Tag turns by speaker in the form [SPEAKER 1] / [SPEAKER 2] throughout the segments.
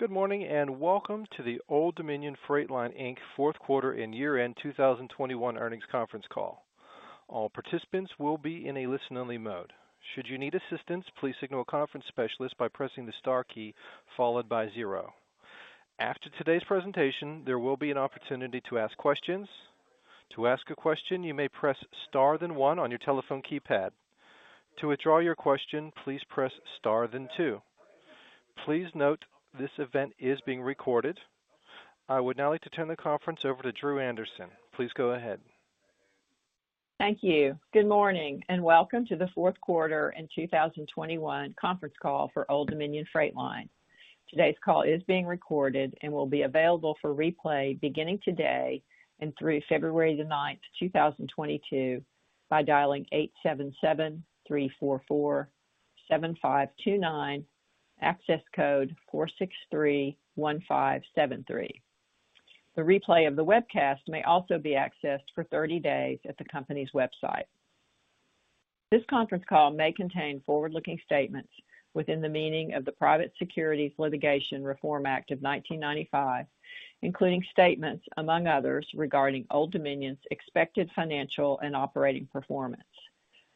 [SPEAKER 1] Good morning, and welcome to the Old Dominion Freight Line, Inc. fourth quarter and year-end 2021 earnings conference call. All participants will be in a listen-only mode. Should you need assistance, please signal a conference specialist by pressing the star key followed by zero. After today's presentation, there will be an opportunity to ask questions. To ask a question, you may press star then one on your telephone keypad. To withdraw your question, please press star then two. Please note, this event is being recorded. I would now like to turn the conference over to Drew Andersen. Please go ahead.
[SPEAKER 2] Thank you. Good morning, and welcome to the fourth quarter and 2021 conference call for Old Dominion Freight Line. Today's call is being recorded and will be available for replay beginning today and through February 9, 2022 by dialing 877-344-7529, access code 4631573. The replay of the webcast may also be accessed for 30 days at the company's website. This conference call may contain forward-looking statements within the meaning of the Private Securities Litigation Reform Act of 1995, including statements among others regarding Old Dominion's expected financial and operating performance.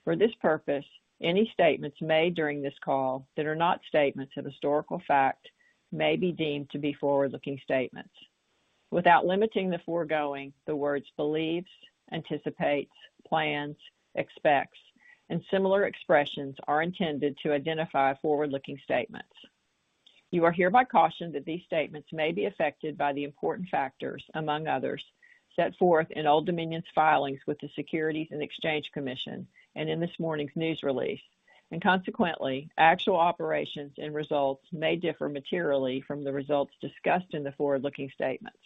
[SPEAKER 2] For this purpose, any statements made during this call that are not statements of historical fact may be deemed to be forward-looking statements. Without limiting the foregoing, the words believes, anticipates, plans, expects, and similar expressions are intended to identify forward-looking statements. You are hereby cautioned that these statements may be affected by the important factors, among others, set forth in Old Dominion's filings with the Securities and Exchange Commission and in this morning's news release. Consequently, actual operations and results may differ materially from the results discussed in the forward-looking statements.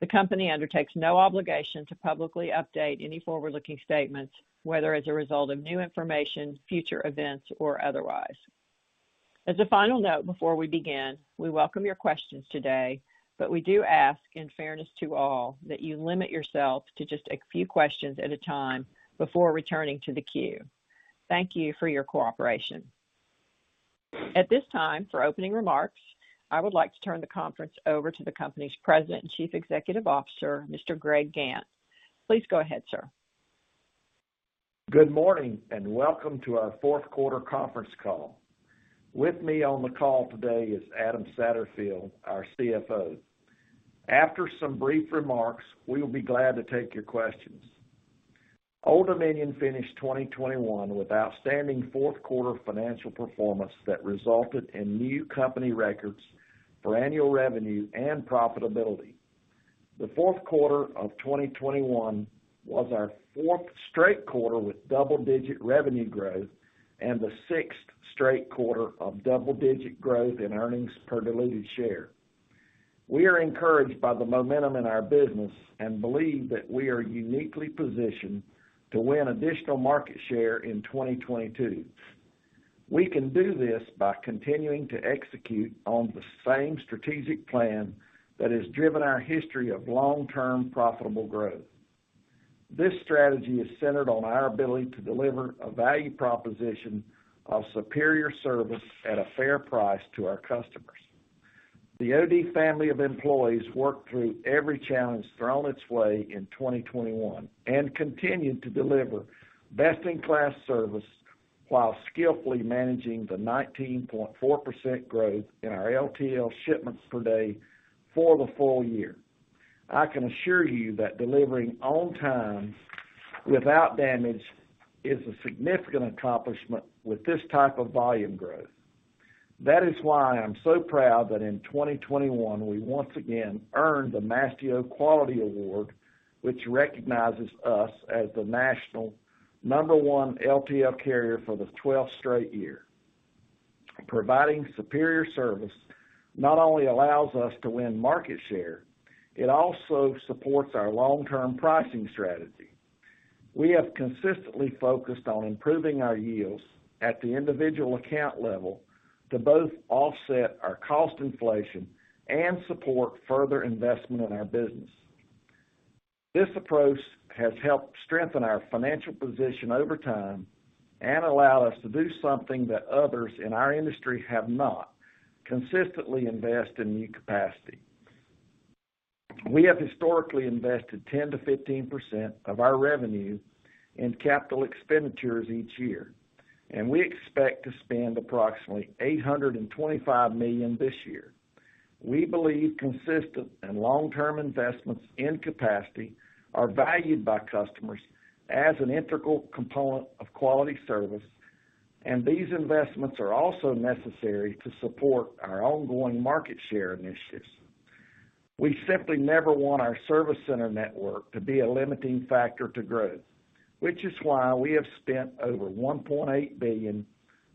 [SPEAKER 2] The company undertakes no obligation to publicly update any forward-looking statements, whether as a result of new information, future events, or otherwise. As a final note, before we begin, we welcome your questions today, but we do ask in fairness to all that you limit yourself to just a few questions at a time before returning to the queue. Thank you for your cooperation. At this time, for opening remarks, I would like to turn the conference over to the company's President and Chief Executive Officer, Mr. Greg Gantt. Please go ahead, sir.
[SPEAKER 3] Good morning and welcome to our fourth quarter conference call. With me on the call today is Adam Satterfield, our CFO. After some brief remarks, we will be glad to take your questions. Old Dominion finished 2021 with outstanding fourth quarter financial performance that resulted in new company records for annual revenue and profitability. The fourth quarter of 2021 was our fourth straight quarter with double-digit revenue growth and the sixth straight quarter of double-digit growth in earnings per diluted share. We are encouraged by the momentum in our business and believe that we are uniquely positioned to win additional market share in 2022. We can do this by continuing to execute on the same strategic plan that has driven our history of long-term profitable growth. This strategy is centered on our ability to deliver a value proposition of superior service at a fair price to our customers. The OD family of employees worked through every challenge thrown its way in 2021 and continued to deliver best-in-class service while skillfully managing the 19.4% growth in our LTL shipments per day for the full year. I can assure you that delivering on time without damage is a significant accomplishment with this type of volume growth. That is why I'm so proud that in 2021 we once again earned the Mastio Quality Award, which recognizes us as the national No. 1 LTL carrier for the 12th straight year. Providing superior service not only allows us to win market share, it also supports our long-term pricing strategy. We have consistently focused on improving our yields at the individual account level to both offset our cost inflation and support further investment in our business. This approach has helped strengthen our financial position over time and allowed us to do something that others in our industry have not, consistently invest in new capacity. We have historically invested 10%-15% of our revenue in capital expenditures each year, and we expect to spend approximately $825 million this year. We believe consistent and long-term investments in capacity are valued by customers as an integral component of quality service, and these investments are also necessary to support our ongoing market share initiatives. We simply never want our service center network to be a limiting factor to growth, which is why we have spent over $1.8 billion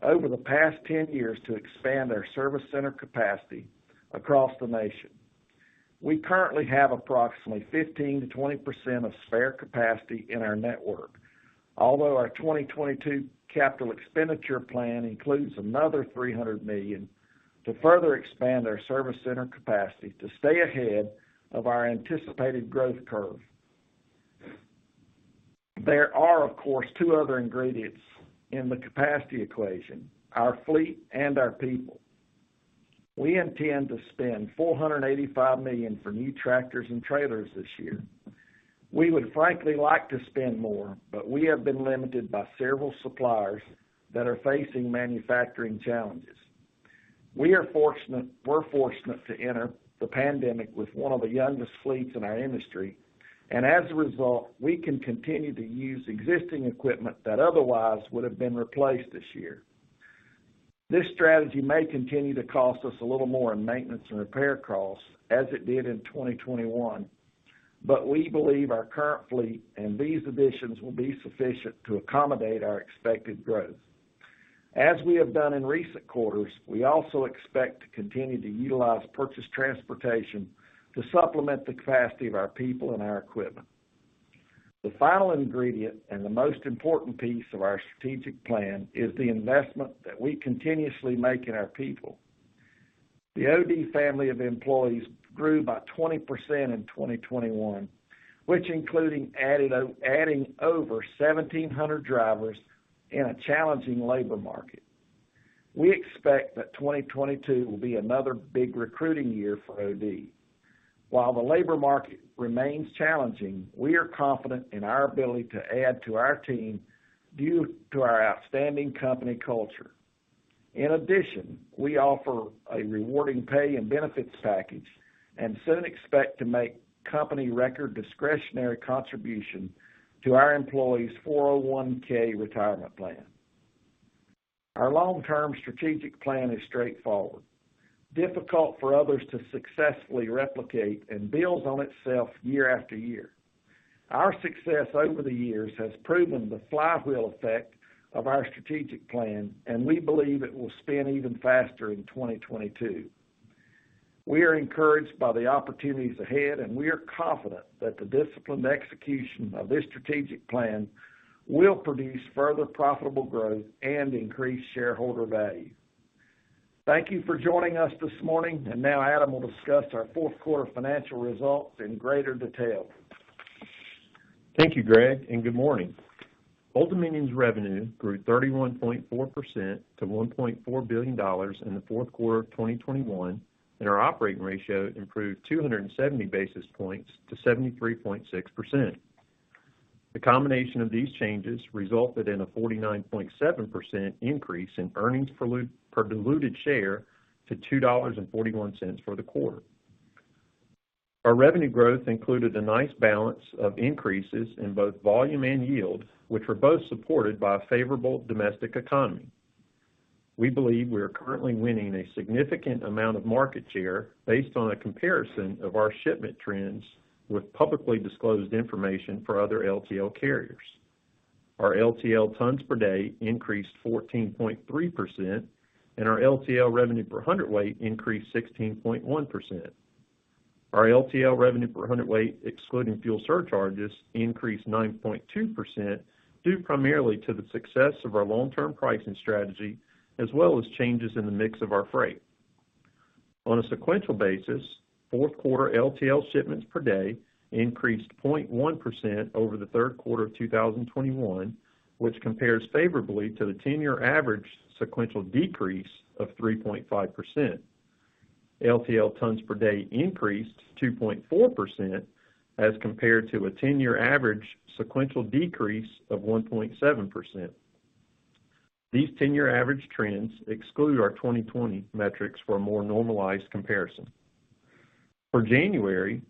[SPEAKER 3] over the past 10 years to expand our service center capacity across the nation. We currently have approximately 15%-20% of spare capacity in our network. Although our 2022 capital expenditure plan includes another $300 million to further expand our service center capacity to stay ahead of our anticipated growth curve. There are, of course, two other ingredients in the capacity equation, our fleet and our people. We intend to spend $485 million for new tractors and trailers this year. We would frankly like to spend more, but we have been limited by several suppliers that are facing manufacturing challenges. We're fortunate to enter the pandemic with one of the youngest fleets in our industry, and as a result, we can continue to use existing equipment that otherwise would have been replaced this year. This strategy may continue to cost us a little more in maintenance and repair costs as it did in 2021, but we believe our current fleet and these additions will be sufficient to accommodate our expected growth. As we have done in recent quarters, we also expect to continue to utilize purchased transportation to supplement the capacity of our people and our equipment. The final ingredient and the most important piece of our strategic plan is the investment that we continuously make in our people. The OD family of employees grew by 20% in 2021, which, adding over 1,700 drivers in a challenging labor market. We expect that 2022 will be another big recruiting year for OD. While the labor market remains challenging, we are confident in our ability to add to our team due to our outstanding company culture. In addition, we offer a rewarding pay and benefits package and soon expect to make company record discretionary contribution to our employees' 401(k) retirement plan. Our long-term strategic plan is straightforward, difficult for others to successfully replicate and builds on itself year after year. Our success over the years has proven the flywheel effect of our strategic plan, and we believe it will spin even faster in 2022. We are encouraged by the opportunities ahead, and we are confident that the disciplined execution of this strategic plan will produce further profitable growth and increase shareholder value. Thank you for joining us this morning. Now Adam will discuss our fourth quarter financial results in greater detail.
[SPEAKER 4] Thank you, Greg, and good morning. Old Dominion's revenue grew 31.4% to $1.4 billion in the fourth quarter of 2021, and our operating ratio improved 270 basis points to 73.6%. The combination of these changes resulted in a 49.7% increase in earnings per diluted share to $2.41 for the quarter. Our revenue growth included a nice balance of increases in both volume and yield, which were both supported by a favorable domestic economy. We believe we are currently winning a significant amount of market share based on a comparison of our shipment trends with publicly disclosed information for other LTL carriers. Our LTL tons per day increased 14.3% and our LTL revenue per hundredweight increased 16.1%. Our LTL revenue per hundredweight, excluding fuel surcharges, increased 9.2% due primarily to the success of our long-term pricing strategy, as well as changes in the mix of our freight. On a sequential basis, fourth quarter LTL shipments per day increased 0.1% over the third quarter of 2021, which compares favorably to the ten-year average sequential decrease of 3.5%. LTL tons per day increased 2.4% as compared to a ten-year average sequential decrease of 1.7%. These ten-year average trends exclude our 2020 metrics for a more normalized comparison. For January,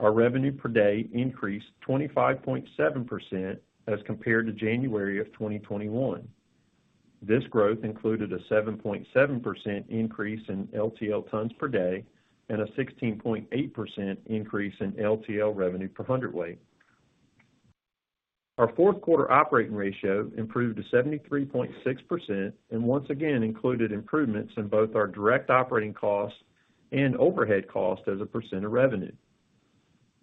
[SPEAKER 4] our revenue per day increased 25.7% as compared to January of 2021. This growth included a 7.7% increase in LTL tons per day and a 16.8% increase in LTL revenue per hundredweight. Our fourth quarter operating ratio improved to 73.6% and once again included improvements in both our direct operating costs and overhead costs as a percent of revenue.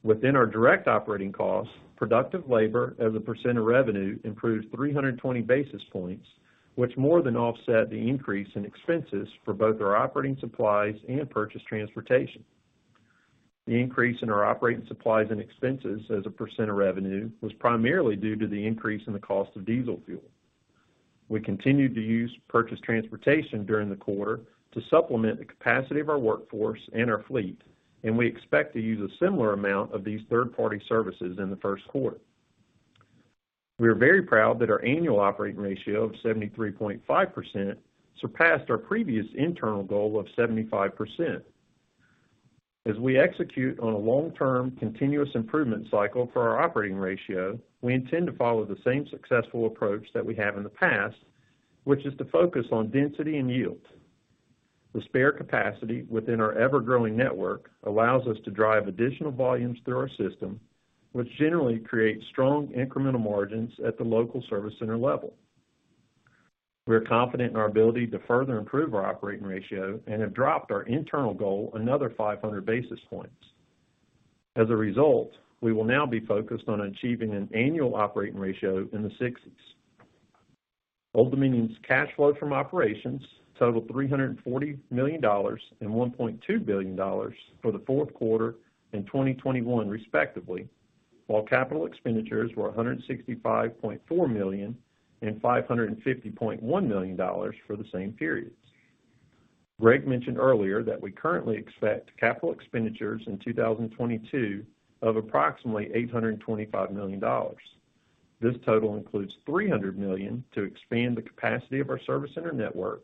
[SPEAKER 4] Within our direct operating costs, productive labor as a percent of revenue improved 320 basis points, which more than offset the increase in expenses for both our operating supplies and purchased transportation. The increase in our operating supplies and expenses as a percent of revenue was primarily due to the increase in the cost of diesel fuel. We continued to use purchased transportation during the quarter to supplement the capacity of our workforce and our fleet, and we expect to use a similar amount of these third-party services in the first quarter. We are very proud that our annual operating ratio of 73.5% surpassed our previous internal goal of 75%. As we execute on a long-term continuous improvement cycle for our operating ratio, we intend to follow the same successful approach that we have in the past, which is to focus on density and yield. The spare capacity within our ever-growing network allows us to drive additional volumes through our system, which generally creates strong incremental margins at the local service center level. We are confident in our ability to further improve our operating ratio and have dropped our internal goal another 500 basis points. As a result, we will now be focused on achieving an annual operating ratio in the sixties. Old Dominion's cash flow from operations totaled $340 million and $1.2 billion for the fourth quarter in 2021 respectively, while capital expenditures were $165.4 million and $550.1 million for the same periods. Greg mentioned earlier that we currently expect capital expenditures in 2022 of approximately $825 million. This total includes $300 million to expand the capacity of our service center network,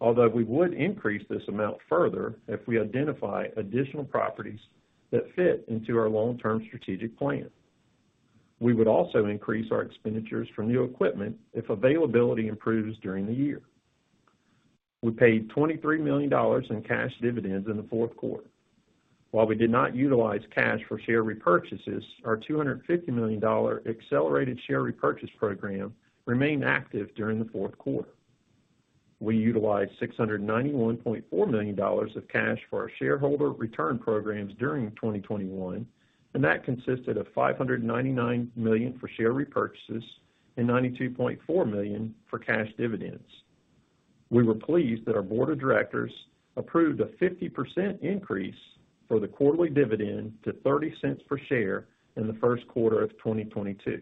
[SPEAKER 4] although we would increase this amount further if we identify additional properties that fit into our long-term strategic plan. We would also increase our expenditures for new equipment if availability improves during the year. We paid $23 million in cash dividends in the fourth quarter. While we did not utilize cash for share repurchases, our $250 million accelerated share repurchase program remained active during the fourth quarter. We utilized $691.4 million of cash for our shareholder return programs during 2021, and that consisted of $599 million for share repurchases and $92.4 million for cash dividends. We were pleased that our board of directors approved a 50% increase for the quarterly dividend to $0.30 per share in the first quarter of 2022.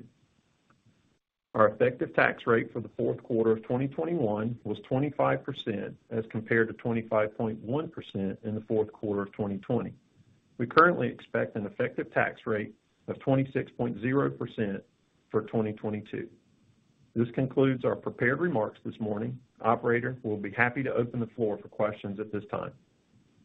[SPEAKER 4] Our effective tax rate for the fourth quarter of 2021 was 25% as compared to 25.1% in the fourth quarter of 2020. We currently expect an effective tax rate of 26.0% for 2022. This concludes our prepared remarks this morning. Operator, we'll be happy to open the floor for questions at this time.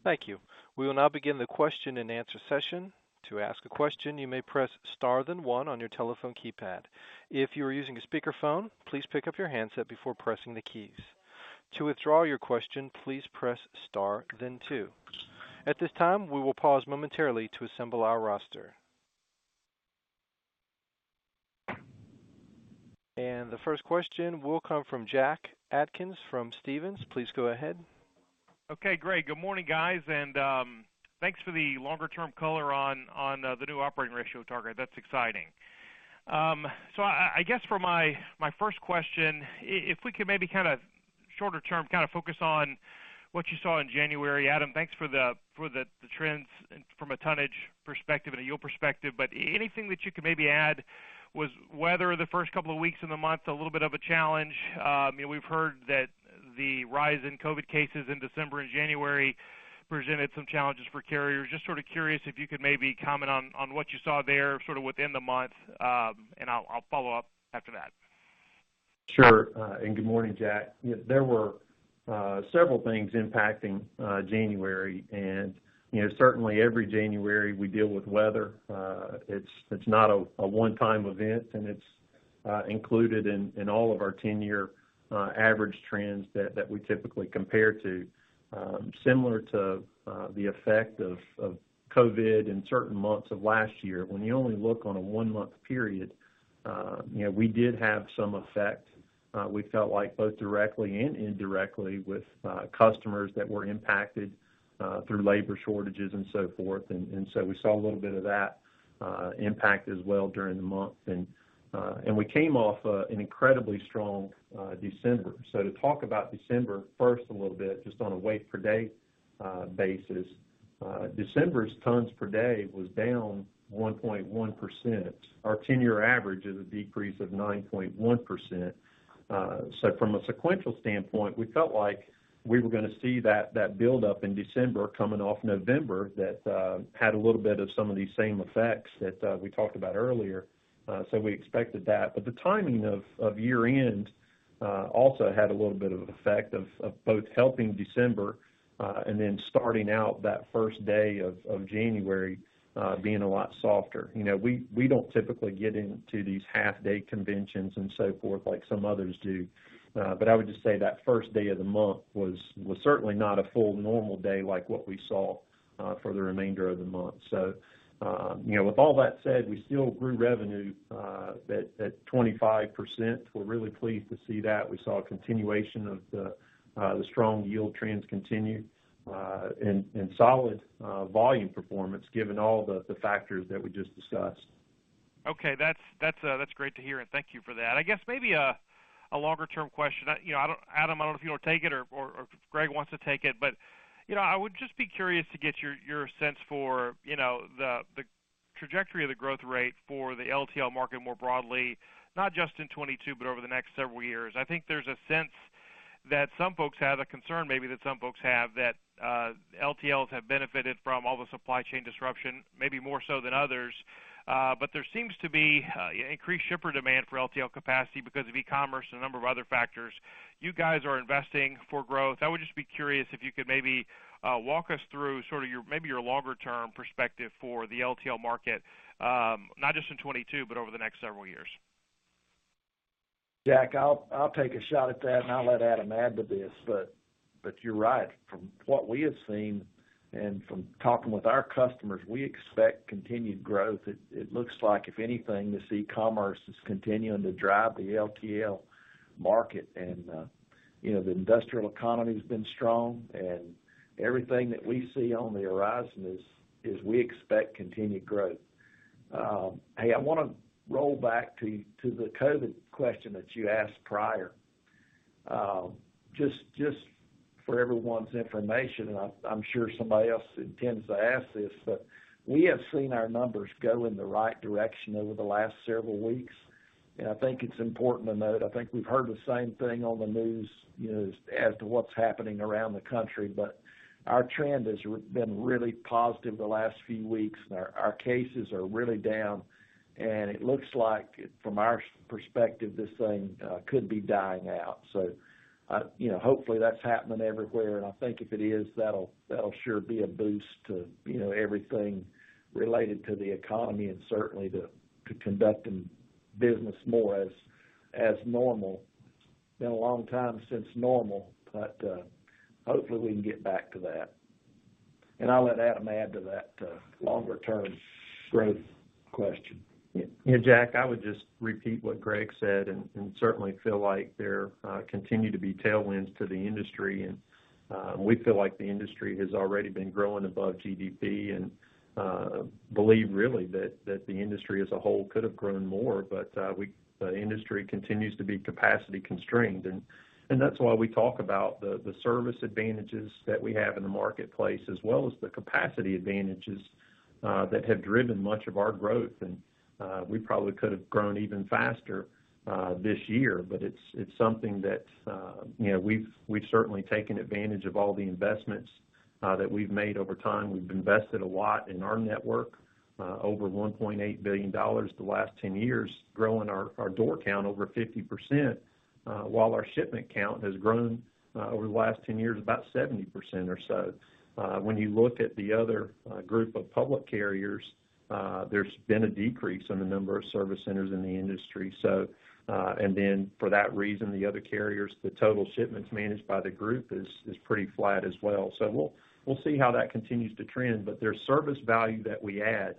[SPEAKER 1] Thank you. We will now begin the question-and-answer session. To ask a question, you may press star then one on your telephone keypad. If you are using a speakerphone, please pick up your handset before pressing the keys. To withdraw your question, please press star then two. At this time, we will pause momentarily to assemble our roster. The first question will come from Jack Atkins from Stephens. Please go ahead.
[SPEAKER 5] Okay, great. Good morning, guys, and thanks for the longer-term color on the new operating ratio target. That's exciting. So I guess for my first question, if we could maybe kind of shorter term, kind of focus on what you saw in January. Adam, thanks for the trends from a tonnage perspective and a yield perspective, but anything that you could maybe add. Was weather the first couple of weeks in the month a little bit of a challenge. You know, we've heard that the rise in COVID cases in December and January presented some challenges for carriers. Just sort of curious if you could maybe comment on what you saw there sort of within the month, and I'll follow up after that.
[SPEAKER 4] Sure, and good morning, Jack. You know, there were several things impacting January. You know, certainly every January we deal with weather. It's not a one-time event, and it's included in all of our ten-year average trends that we typically compare to. Similar to the effect of COVID in certain months of last year, when you only look on a one-month period, you know, we did have some effect, we felt like both directly and indirectly with customers that were impacted through labor shortages and so forth. And so we saw a little bit of that impact as well during the month. We came off an incredibly strong December. To talk about December first a little bit, just on a weight per day basis. December's tons per day was down 1.1%. Our 10-year average is a decrease of 9.1%. From a sequential standpoint, we felt like we were gonna see that buildup in December coming off November that had a little bit of some of these same effects that we talked about earlier. We expected that. But the timing of year-end also had a little bit of effect of both helping December and then starting out that first day of January being a lot softer. You know, we don't typically get into these half-day conventions and so forth like some others do. I would just say that first day of the month was certainly not a full normal day like what we saw for the remainder of the month. You know, with all that said, we still grew revenue at 25%. We're really pleased to see that. We saw a continuation of the strong yield trends continue and solid volume performance given all the factors that we just discussed.
[SPEAKER 5] Okay. That's great to hear, and thank you for that. I guess maybe a longer-term question. You know, Adam, I don't know if you want to take it or if Greg wants to take it. You know, I would just be curious to get your sense for, you know, the trajectory of the growth rate for the LTL market more broadly, not just in 2022, but over the next several years. I think there's a sense that some folks have a concern maybe that some folks have that LTLs have benefited from all the supply chain disruption, maybe more so than others. There seems to be increased shipper demand for LTL capacity because of e-commerce and a number of other factors. You guys are investing for growth. I would just be curious if you could maybe walk us through sort of your, maybe your longer term perspective for the LTL market, not just in 2022, but over the next several years.
[SPEAKER 3] Jack, I'll take a shot at that, and I'll let Adam add to this. You're right. From what we have seen and from talking with our customers, we expect continued growth. It looks like, if anything, this e-commerce is continuing to drive the LTL market. You know, the industrial economy's been strong and everything that we see on the horizon is we expect continued growth. Hey, I want to roll back to the COVID question that you asked prior. Just for everyone's information, I'm sure somebody else intends to ask this, but we have seen our numbers go in the right direction over the last several weeks. I think it's important to note, I think we've heard the same thing on the news, you know, as to what's happening around the country. Our trend has been really positive the last few weeks, and our cases are really down. It looks like from our perspective, this thing could be dying out. You know, hopefully, that's happening everywhere. I think if it is, that'll sure be a boost to, you know, everything related to the economy and certainly to conducting business more as normal. been a long time since normal, but hopefully, we can get back to that. I'll let Adam add to that, longer-term growth question.
[SPEAKER 4] Yeah, Jack, I would just repeat what Greg said and certainly feel like there continue to be tailwinds to the industry. We feel like the industry has already been growing above GDP and believe really that the industry as a whole could have grown more. The industry continues to be capacity constrained. That's why we talk about the service advantages that we have in the marketplace, as well as the capacity advantages that have driven much of our growth. We probably could have grown even faster this year, but it's something that you know we've certainly taken advantage of all the investments that we've made over time. We've invested a lot in our network, over $1.8 billion the last 10 years, growing our door count over 50%, while our shipment count has grown over the last 10 years, about 70% or so. When you look at the other group of public carriers, there's been a decrease in the number of service centers in the industry. For that reason, the other carriers, the total shipments managed by the group is pretty flat as well. We'll see how that continues to trend. There's service value that we add,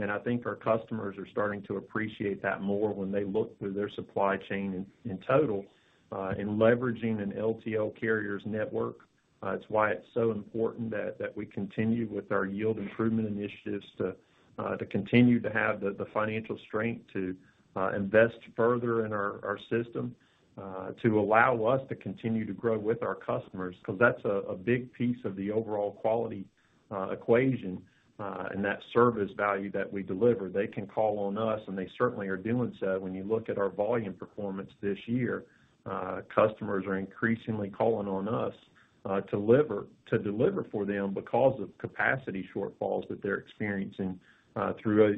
[SPEAKER 4] and I think our customers are starting to appreciate that more when they look through their supply chain in total in leveraging an LTL carrier's network. It's why it's so important that we continue with our yield improvement initiatives to continue to have the financial strength to invest further in our system to allow us to continue to grow with our customers because that's a big piece of the overall quality equation and that service value that we deliver. They can call on us, and they certainly are doing so. When you look at our volume performance this year, customers are increasingly calling on us to deliver for them because of capacity shortfalls that they're experiencing through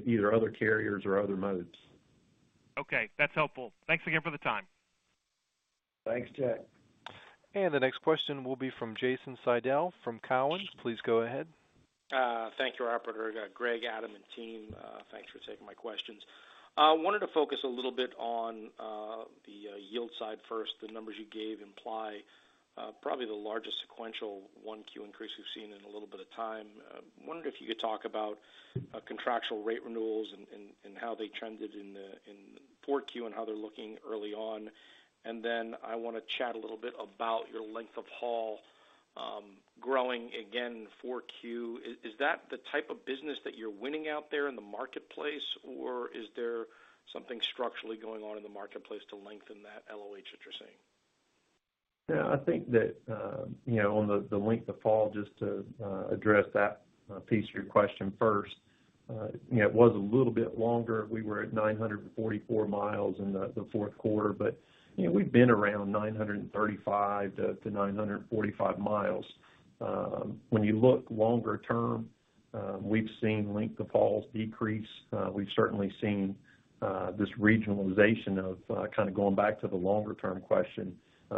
[SPEAKER 4] either other carriers or other modes.
[SPEAKER 5] Okay, that's helpful. Thanks again for the time.
[SPEAKER 3] Thanks, Jack.
[SPEAKER 1] The next question will be from Jason Seidl from Cowen. Please go ahead.
[SPEAKER 6] Thank you, operator. Greg, Adam, and team, thanks for taking my questions. Wanted to focus a little bit on the yield side first. The numbers you gave imply probably the largest sequential 1Q increase we've seen in a little bit of time. Wondering if you could talk about contractual rate renewals and how they trended in 4Q and how they're looking early on. Then I want to chat a little bit about your length of haul growing again in 4Q. Is that the type of business that you're winning out there in the marketplace, or is there something structurally going on in the marketplace to lengthen that LOH that you're seeing?
[SPEAKER 4] Yeah, I think that, you know, on the length of haul, just to address that piece of your question first. You know, it was a little bit longer. We were at 944 miles in the fourth quarter, but, you know, we've been around 935 to 945 miles. When you look longer term, we've seen length of hauls decrease. We've certainly seen this regionalization of kind of going back to the longer term question.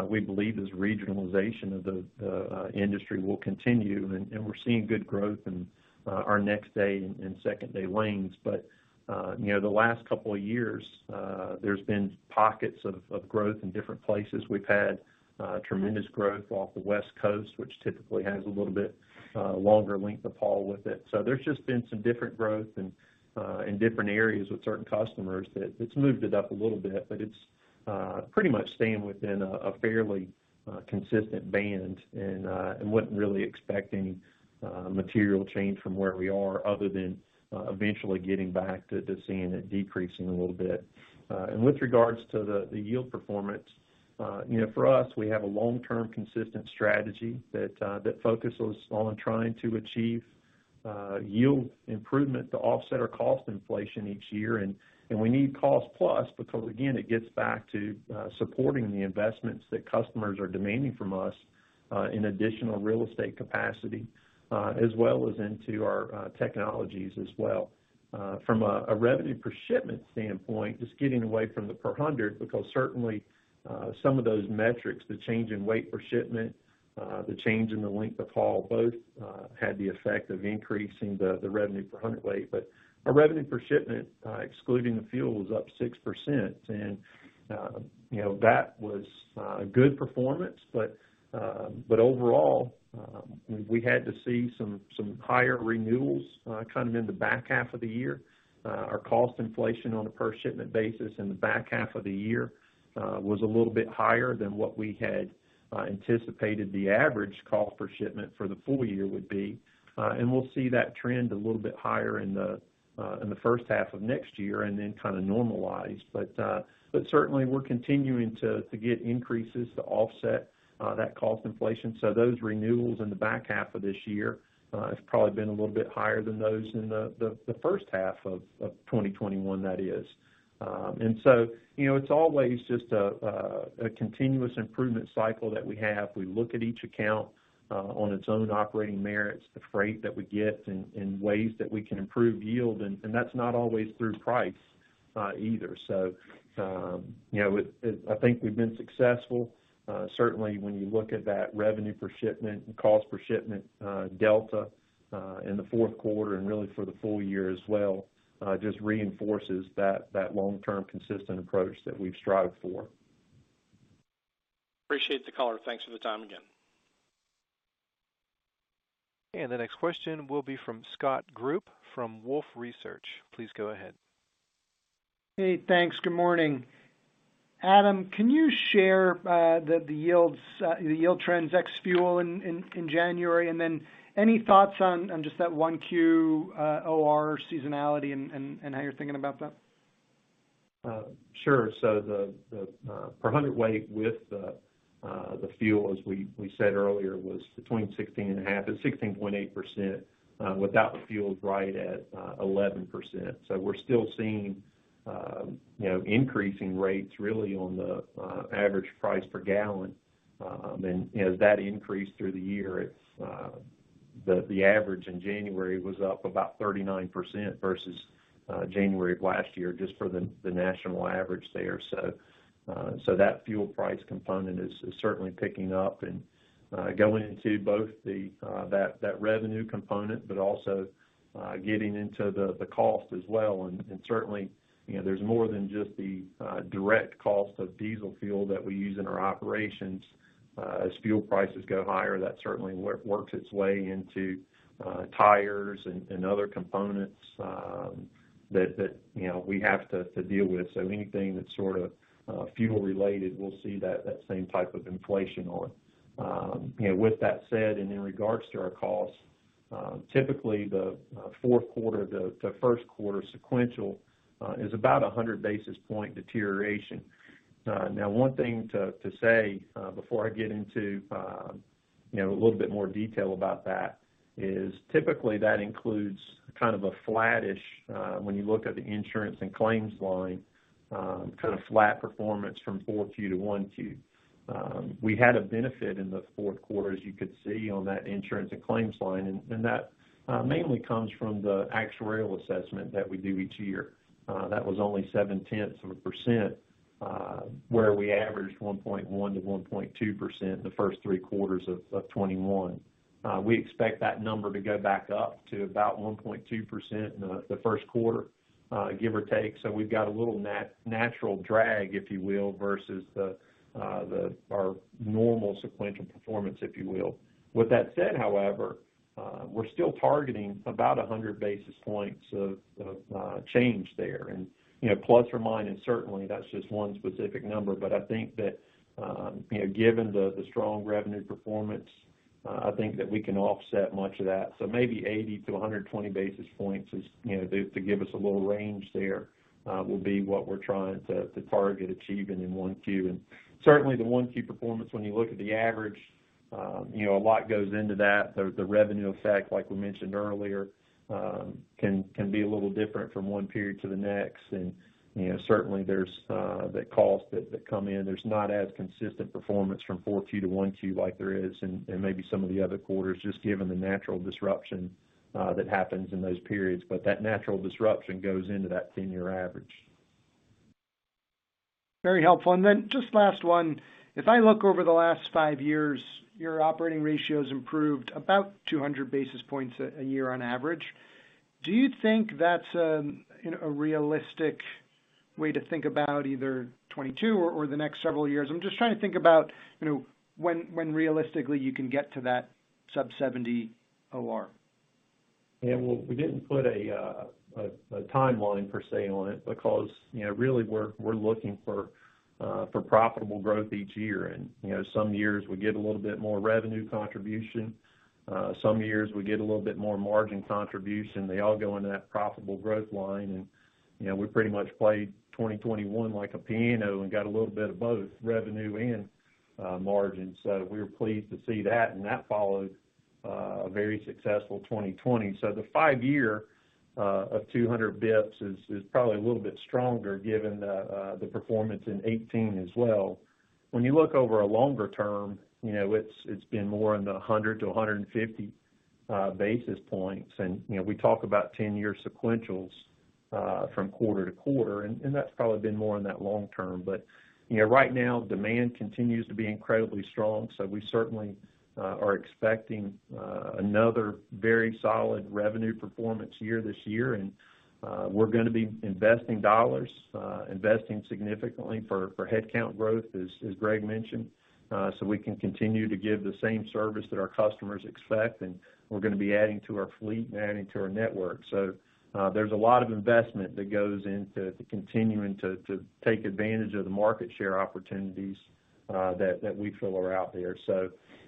[SPEAKER 4] We believe this regionalization of the industry will continue, and we're seeing good growth in our next day and second day lanes. But, you know, the last couple of years, there's been pockets of growth in different places. We've had tremendous growth off the West Coast, which typically has a little bit longer length of haul with it. There's just been some different growth and in different areas with certain customers that it's moved it up a little bit, but it's pretty much staying within a fairly consistent band, and wouldn't really expect any material change from where we are other than eventually getting back to seeing it decreasing a little bit. With regards to the yield performance, you know, for us, we have a long-term consistent strategy that focuses on trying to achieve yield improvement to offset our cost inflation each year. We need cost plus because again, it gets back to supporting the investments that customers are demanding from us in additional real estate capacity as well as into our technologies as well. From a revenue per shipment standpoint, just getting away from the per hundred, because certainly some of those metrics, the change in weight per shipment, the change in the length of haul both had the effect of increasing the revenue per hundredweight. Our revenue per shipment excluding the fuel was up 6%. You know, that was a good performance. Overall, we had to see some higher renewals kind of in the back half of the year. Our cost inflation on a per shipment basis in the back half of the year was a little bit higher than what we had anticipated the average cost per shipment for the full year would be. We'll see that trend a little bit higher in the first half of next year and then kind of normalize. Certainly, we're continuing to get increases to offset that cost inflation. Those renewals in the back half of this year have probably been a little bit higher than those in the first half of 2021, that is. You know, it's always just a continuous improvement cycle that we have. We look at each account on its own operating merits, the freight that we get, and ways that we can improve yield. That's not always through price either. You know, I think we've been successful. Certainly when you look at that revenue per shipment and cost per shipment delta in the fourth quarter and really for the full year as well just reinforces that long-term consistent approach that we've strived for.
[SPEAKER 6] Appreciate the color. Thanks for the time again.
[SPEAKER 1] The next question will be from Scott Group from Wolfe Research. Please go ahead.
[SPEAKER 7] Hey, thanks. Good morning. Adam, can you share the yields, the yield trends ex fuel in January? Then any thoughts on just that one Q, OR seasonality and how you're thinking about that?
[SPEAKER 4] Sure. Per hundredweight with the fuel, as we said earlier, was between 16.5 and 16.8%. Without the fuel is right at 11%. We're still seeing you know, increasing rates really on the average price per gallon. As that increased through the year, it's the average in January was up about 39% versus January of last year just for the national average there. That fuel price component is certainly picking up and going into both that revenue component, but also getting into the cost as well. Certainly, you know, there's more than just the direct cost of diesel fuel that we use in our operations. As fuel prices go higher, that certainly works its way into tires and other components that you know we have to deal with. Anything that's sort of fuel related, we'll see that same type of inflation on. With that said, in regards to our costs, typically the fourth quarter to first quarter sequential is about 100 basis points deterioration. Now one thing to say before I get into you know a little bit more detail about that is typically that includes kind of a flattish when you look at the insurance and claims line kind of flat performance from Q4 to Q1. We had a benefit in the fourth quarter, as you could see on that insurance and claims line, and that mainly comes from the actuarial assessment that we do each year. That was only 0.7%, where we averaged 1.1%-1.2% the first three quarters of 2021. We expect that number to go back up to about 1.2% in the first quarter, give or take. We've got a little natural drag, if you will, versus our normal sequential performance, if you will. With that said, however, we're still targeting about 100 basis points of change there. You know, plus or minus, certainly that's just one specific number. I think that, you know, given the strong revenue performance, I think that we can offset much of that. Maybe 80-120 basis points is, you know, to give us a little range there, will be what we're trying to target achieving in 1Q. Certainly the 1Q performance, when you look at the average, you know, a lot goes into that. The revenue effect, like we mentioned earlier, can be a little different from one period to the next. You know, certainly there's the cost that come in. There's not as consistent performance from 4Q to 1Q like there is in maybe some of the other quarters, just given the natural disruption that happens in those periods. That natural disruption goes into that 10-year average.
[SPEAKER 7] Very helpful. Then just last one. If I look over the last 5 years, your operating ratio has improved about 200 basis points a year on average. Do you think that's, you know, a realistic way to think about either 2022 or the next several years? I'm just trying to think about, you know, when realistically you can get to that sub-70 OR.
[SPEAKER 4] Yeah. Well, we didn't put a timeline per se on it because, you know, really we're looking for profitable growth each year. You know, some years we get a little bit more revenue contribution, some years we get a little bit more margin contribution. They all go into that profitable growth line. You know, we pretty much played 2021 like a piano and got a little bit of both revenue and margin. We were pleased to see that, and that followed a very successful 2020. The five-year of 200 basis points is probably a little bit stronger given the performance in 2018 as well. When you look over a longer term, you know, it's been more in the 100-150 basis points. You know, we talk about ten-year sequentials from quarter to quarter, and that's probably been more in that long term. You know, right now, demand continues to be incredibly strong, so we certainly are expecting another very solid revenue performance year this year. We're gonna be investing dollars, investing significantly for headcount growth, as Greg mentioned, so we can continue to give the same service that our customers expect. We're gonna be adding to our fleet and adding to our network. There's a lot of investment that goes into continuing to take advantage of the market share opportunities that we feel are out there.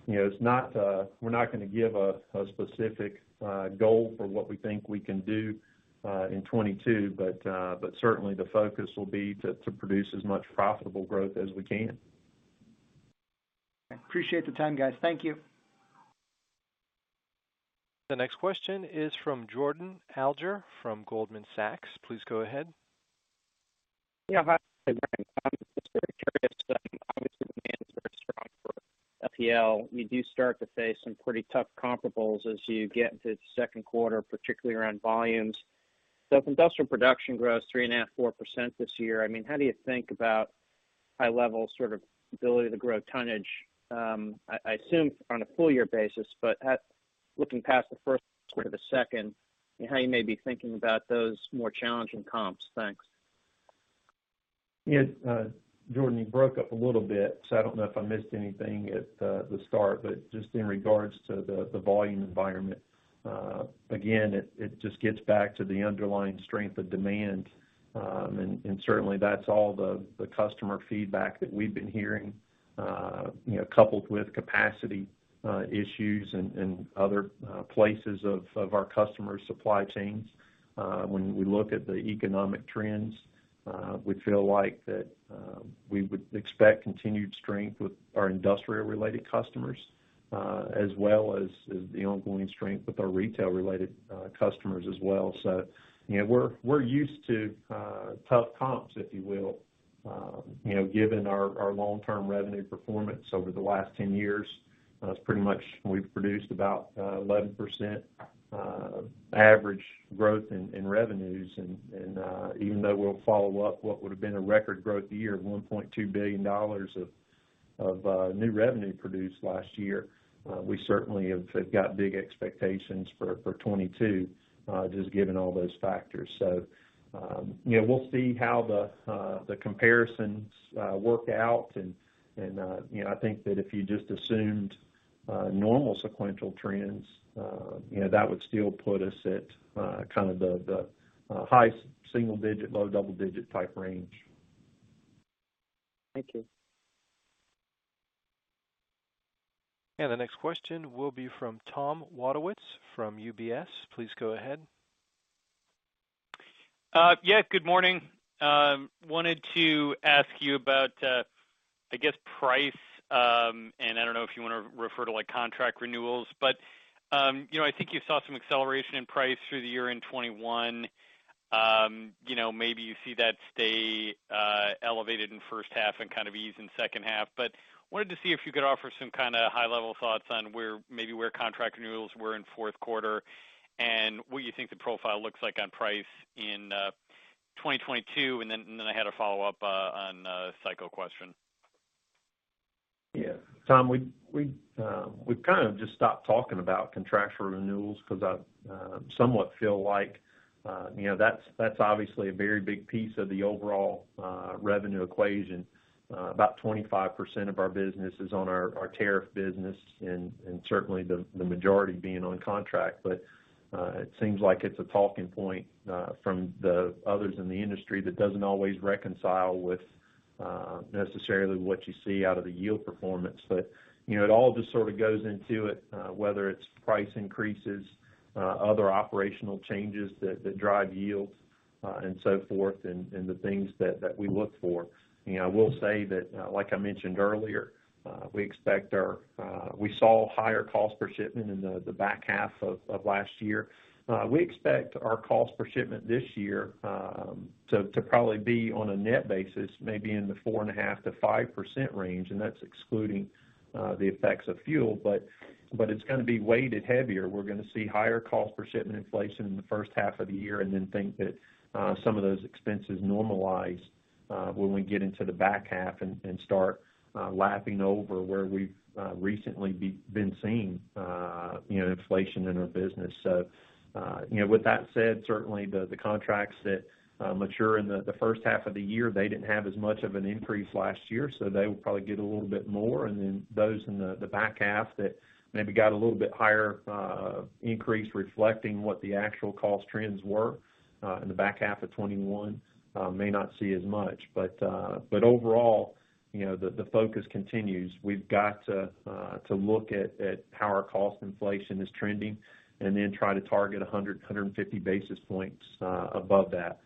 [SPEAKER 4] You know, we're not gonna give a specific goal for what we think we can do in 2022, but certainly the focus will be to produce as much profitable growth as we can.
[SPEAKER 7] Appreciate the time, guys. Thank you.
[SPEAKER 1] The next question is from Jordan Alliger from Goldman Sachs. Please go ahead.
[SPEAKER 8] Yeah. Hi, Greg. I'm just very curious- LTL, you do start to face some pretty tough comparables as you get into the second quarter, particularly around volumes. If industrial production grows 3.5%-4% this year, I mean, how do you think about high level sort of ability to grow tonnage? I assume on a full year basis, but looking past the first quarter to the second, how you may be thinking about those more challenging comps? Thanks.
[SPEAKER 4] Yeah. Jordan, you broke up a little bit, so I don't know if I missed anything at the start. Just in regards to the volume environment, again, it just gets back to the underlying strength of demand. Certainly that's all the customer feedback that we've been hearing, you know, coupled with capacity issues and other places of our customer supply chains. When we look at the economic trends, we feel like that we would expect continued strength with our industrial related customers, as well as the ongoing strength with our retail related customers as well. You know, we're used to tough comps, if you will. You know, given our long-term revenue performance over the last 10 years, it's pretty much we've produced about 11% average growth in revenues. Even though we'll follow up what would have been a record growth year of $1.2 billion of new revenue produced last year, we certainly have got big expectations for 2022, just given all those factors. You know, we'll see how the comparisons work out. You know, I think that if you just assumed normal sequential trends, you know, that would still put us at kind of the high single digit, low double digit type range.
[SPEAKER 8] Thank you.
[SPEAKER 1] The next question will be from Tom Wadewitz from UBS. Please go ahead.
[SPEAKER 9] Yeah, good morning. Wanted to ask you about, I guess price, and I don't know if you want to refer to, like, contract renewals. You know, I think you saw some acceleration in price through the year-end 2021. You know, maybe you see that stay elevated in first half and kind of ease in second half. Wanted to see if you could offer some kind of high level thoughts on maybe where contract renewals were in fourth quarter and what you think the profile looks like on price in 2022. Then I had a follow-up on a cycle question.
[SPEAKER 4] Yeah. Tom, we’ve kind of just stopped talking about contractual renewals because I somewhat feel like, you know, that’s obviously a very big piece of the overall revenue equation. About 25% of our business is on our tariff business and certainly the majority being on contract. It seems like it’s a talking point from the others in the industry that doesn’t always reconcile with necessarily what you see out of the yield performance. You know, it all just sort of goes into it whether it’s price increases other operational changes that drive yields and so forth, and the things that we look for. You know, I will say that like I mentioned earlier we expect our We saw higher cost per shipment in the back half of last year. We expect our cost per shipment this year to probably be on a net basis, maybe in the 4.5%-5% range, and that's excluding the effects of fuel. It's gonna be weighted heavier. We're gonna see higher cost per shipment inflation in the first half of the year and then think that some of those expenses normalize when we get into the back half and start lapping over where we've recently been seeing you know, inflation in our business. You know, with that said, certainly the contracts that mature in the first half of the year, they didn't have as much of an increase last year, so they will probably get a little bit more. Then those in the back half that maybe got a little bit higher increase reflecting what the actual cost trends were in the back half of 2021 may not see as much. Overall, you know, the focus continues. We've got to look at how our cost inflation is trending and then try to target 150 basis points above that.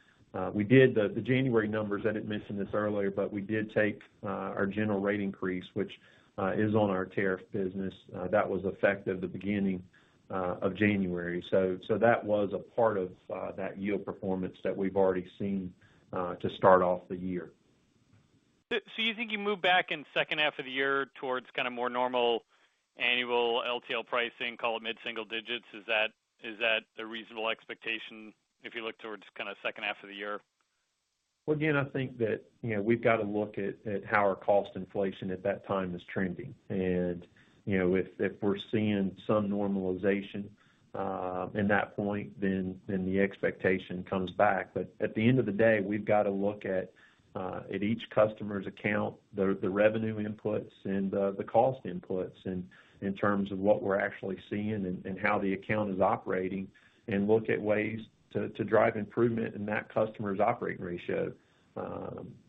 [SPEAKER 4] We did the January numbers, I didn't mention this earlier, but we did take our general rate increase, which is on our tariff business. That was effective the beginning of January. That was a part of that yield performance that we've already seen to start off the year.
[SPEAKER 9] you think you move back in second half of the year towards kind of more normal annual LTL pricing, call it mid-single digits. Is that a reasonable expectation if you look towards kind of second half of the year?
[SPEAKER 4] Well, again, I think that, you know, we've got to look at how our cost inflation at that time is trending. You know, if we're seeing some normalization in that point, then the expectation comes back. At the end of the day, we've got to look at each customer's account, the revenue inputs and the cost inputs in terms of what we're actually seeing and how the account is operating, and look at ways to drive improvement in that customer's operating ratio.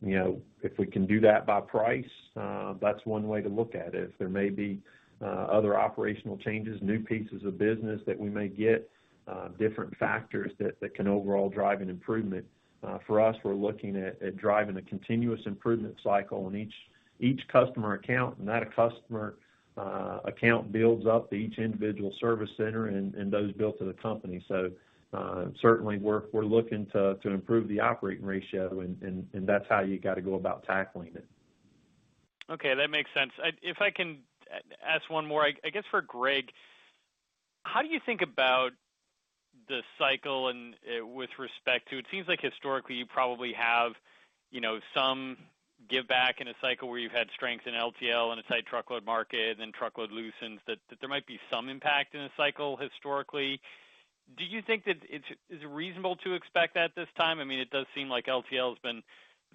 [SPEAKER 4] You know, if we can do that by price, that's one way to look at it. If there may be other operational changes, new pieces of business that we may get, different factors that can overall drive an improvement. For us, we're looking at driving a continuous improvement cycle in each customer account, and that customer account builds up to each individual service center and those build up to the company. Certainly we're looking to improve the operating ratio and that's how you got to go about tackling it.
[SPEAKER 9] Okay, that makes sense. If I can ask one more, I guess for Greg. How do you think about the cycle and with respect to it? It seems like historically you probably have, you know, some giveback in a cycle where you've had strength in LTL and a tight truckload market, and then truckload loosens, that there might be some impact in the cycle historically. Do you think that it is reasonable to expect that this time? I mean, it does seem like LTL has been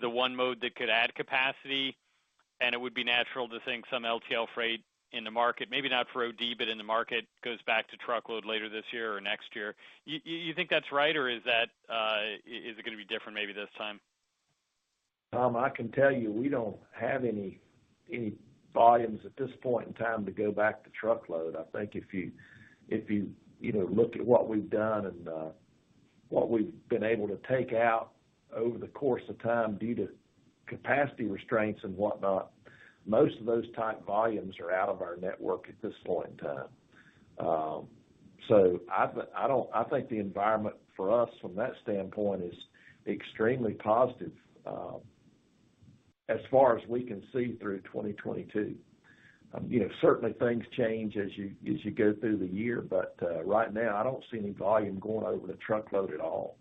[SPEAKER 9] the one mode that could add capacity, and it would be natural to think some LTL freight in the market, maybe not for OD, but in the market, goes back to truckload later this year or next year. You think that's right, or is that, is it gonna be different maybe this time?
[SPEAKER 4] Tom, I can tell you, we don't have any volumes at this point in time to go back to truckload. I think if you you know look at what we've done and what we've been able to take out over the course of time due to capacity restraints and whatnot, most of those type volumes are out of our network at this point in time. I think the environment for us from that standpoint is extremely positive, as far as we can see through 2022. You know, certainly things change as you go through the year. Right now I don't see any volume going over to truckload at all,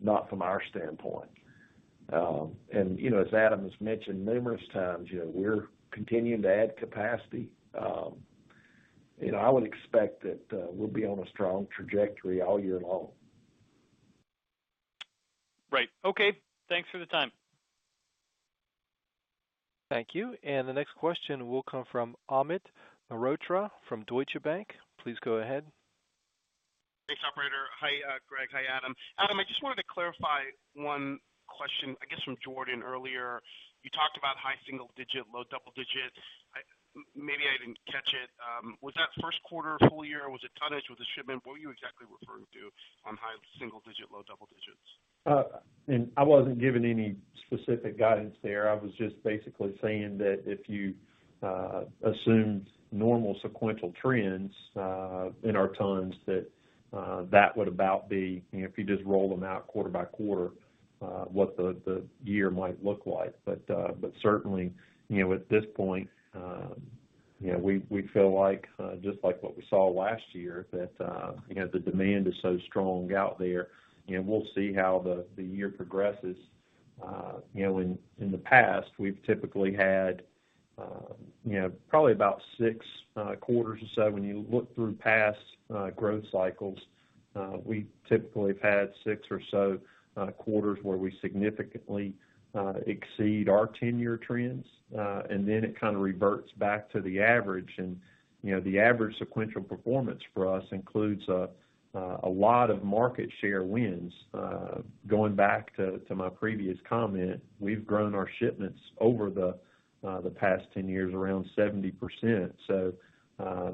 [SPEAKER 4] not from our standpoint. You know, as Adam has mentioned numerous times, you know, we're continuing to add capacity. You know, I would expect that we'll be on a strong trajectory all year long.
[SPEAKER 9] Right. Okay. Thanks for the time.
[SPEAKER 1] Thank you. The next question will come from Amit Mehrotra from Deutsche Bank. Please go ahead.
[SPEAKER 10] Thanks, operator. Hi, Greg. Hi, Adam. Adam, I just wanted to clarify one question, I guess from Jordan earlier. You talked about high single digit, low double digit. Maybe I didn't catch it. Was that first quarter, full year? Was it tonnage? Was it shipment? What were you exactly referring to on high single digit, low double digits?
[SPEAKER 4] I wasn't giving any specific guidance there. I was just basically saying that if you assume normal sequential trends in our tons that would about be, you know, if you just roll them out quarter by quarter what the year might look like. Certainly, you know, at this point, you know, we feel like just like what we saw last year, that you know, the demand is so strong out there. You know, we'll see how the year progresses. You know, in the past, we've typically had you know, probably about 6 quarters or so when you look through past growth cycles. We typically have had six or so quarters where we significantly exceed our ten-year trends, and then it kind of reverts back to the average. You know, the average sequential performance for us includes a lot of market share wins. Going back to my previous comment, we've grown our shipments over the past ten years around 70%.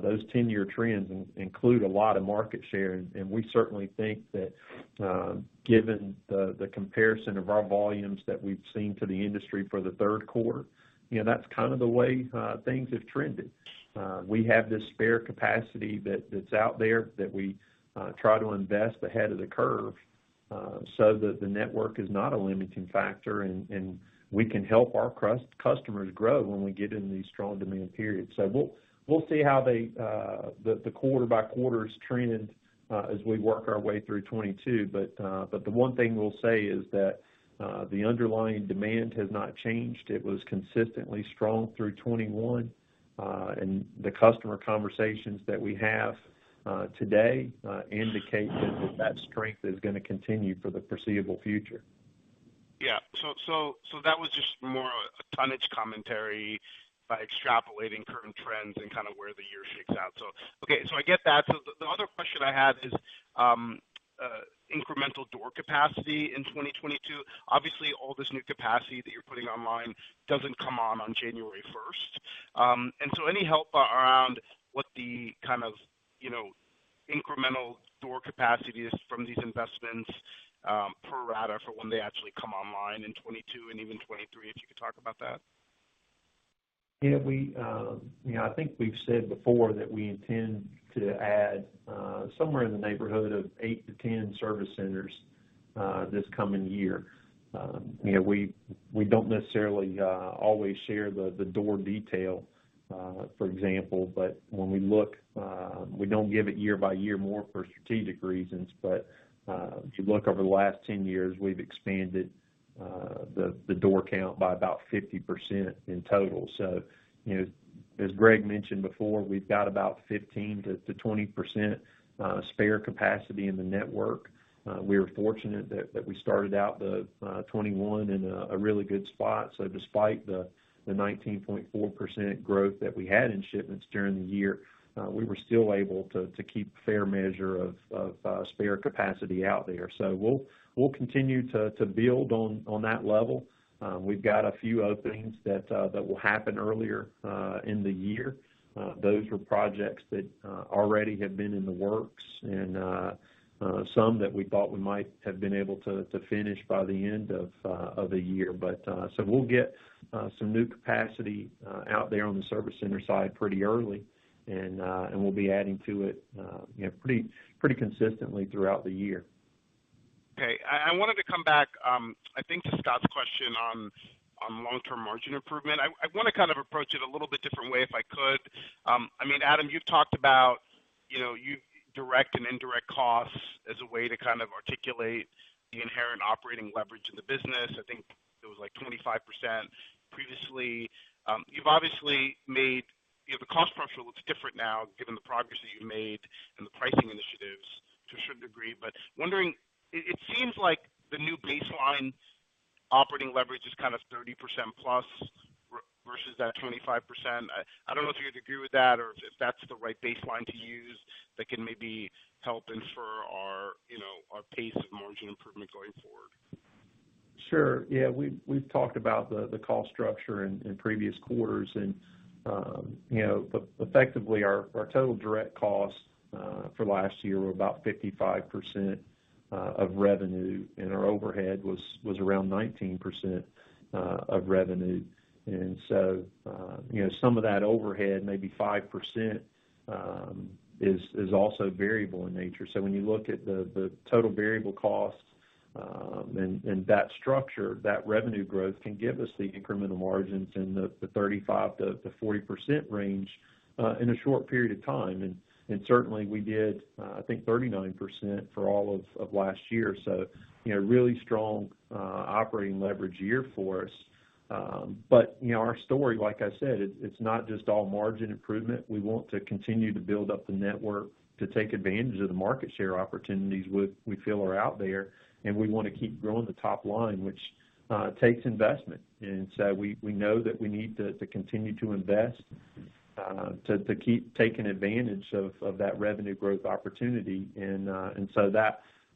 [SPEAKER 4] Those ten-year trends include a lot of market share. We certainly think that, given the comparison of our volumes that we've seen to the industry for the third quarter, you know, that's kind of the way things have trended. We have this spare capacity that that's out there that we try to invest ahead of the curve, so that the network is not a limiting factor and we can help our customers grow when we get in these strong demand periods. We'll see how the quarter-by-quarter trend as we work our way through 2022. The one thing we'll say is that the underlying demand has not changed. It was consistently strong through 2021, and the customer conversations that we have today indicate that that strength is gonna continue for the foreseeable future.
[SPEAKER 10] Yeah. That was just more a tonnage commentary by extrapolating current trends and kind of where the year shakes out. Okay, I get that. The other question I had is incremental door capacity in 2022. Obviously, all this new capacity that you're putting online doesn't come on January first. Any help around what the kind of, you know, incremental door capacity is from these investments, pro rata for when they actually come online in 2022 and even 2023, if you could talk about that.
[SPEAKER 4] Yeah. We, you know, I think we've said before that we intend to add somewhere in the neighborhood of 8-10 service centers this coming year. You know, we don't necessarily always share the door detail, for example. When we look, we don't give it year by year more for strategic reasons. If you look over the last 10 years, we've expanded the door count by about 50% in total. You know, as Greg mentioned before, we've got about 15%-20% spare capacity in the network. We are fortunate that we started out the 2021 in a really good spot. Despite the 19.4% growth that we had in shipments during the year, we were still able to keep a fair measure of spare capacity out there. We'll continue to build on that level. We've got a few openings that will happen earlier in the year. Those were projects that already had been in the works and some that we thought we might have been able to finish by the end of the year. We'll get some new capacity out there on the service center side pretty early, and we'll be adding to it, you know, pretty consistently throughout the year.
[SPEAKER 10] Okay. I wanted to come back, I think to Scott's question on long-term margin improvement. I wanna kind of approach it a little bit different way if I could. I mean, Adam, you've talked about, you know, direct and indirect costs as a way to kind of articulate the inherent operating leverage in the business. I think it was like 25% previously. You've obviously made. You know, the cost structure looks different now given the progress that you made in the pricing initiatives to a certain degree. But I'm wondering, it seems like the new baseline operating leverage is kind of 30% plus versus that 25%. I don't know if you'd agree with that or if that's the right baseline to use that can maybe help infer our, you know, our pace of margin improvement going forward.
[SPEAKER 4] Sure. Yeah. We've talked about the cost structure in previous quarters. You know, effectively our total direct costs for last year were about 55% of revenue, and our overhead was around 19% of revenue. Some of that overhead, maybe 5%, is also variable in nature. When you look at the total variable cost and that structure, that revenue growth can give us the incremental margins in the 35%-40% range in a short period of time. Certainly we did, I think 39% for all of last year. You know, really strong operating leverage year for us. You know, our story, like I said, it's not just all margin improvement. We want to continue to build up the network to take advantage of the market share opportunities we feel are out there, and we wanna keep growing the top line, which takes investment. We know that we need to continue to invest to keep taking advantage of that revenue growth opportunity.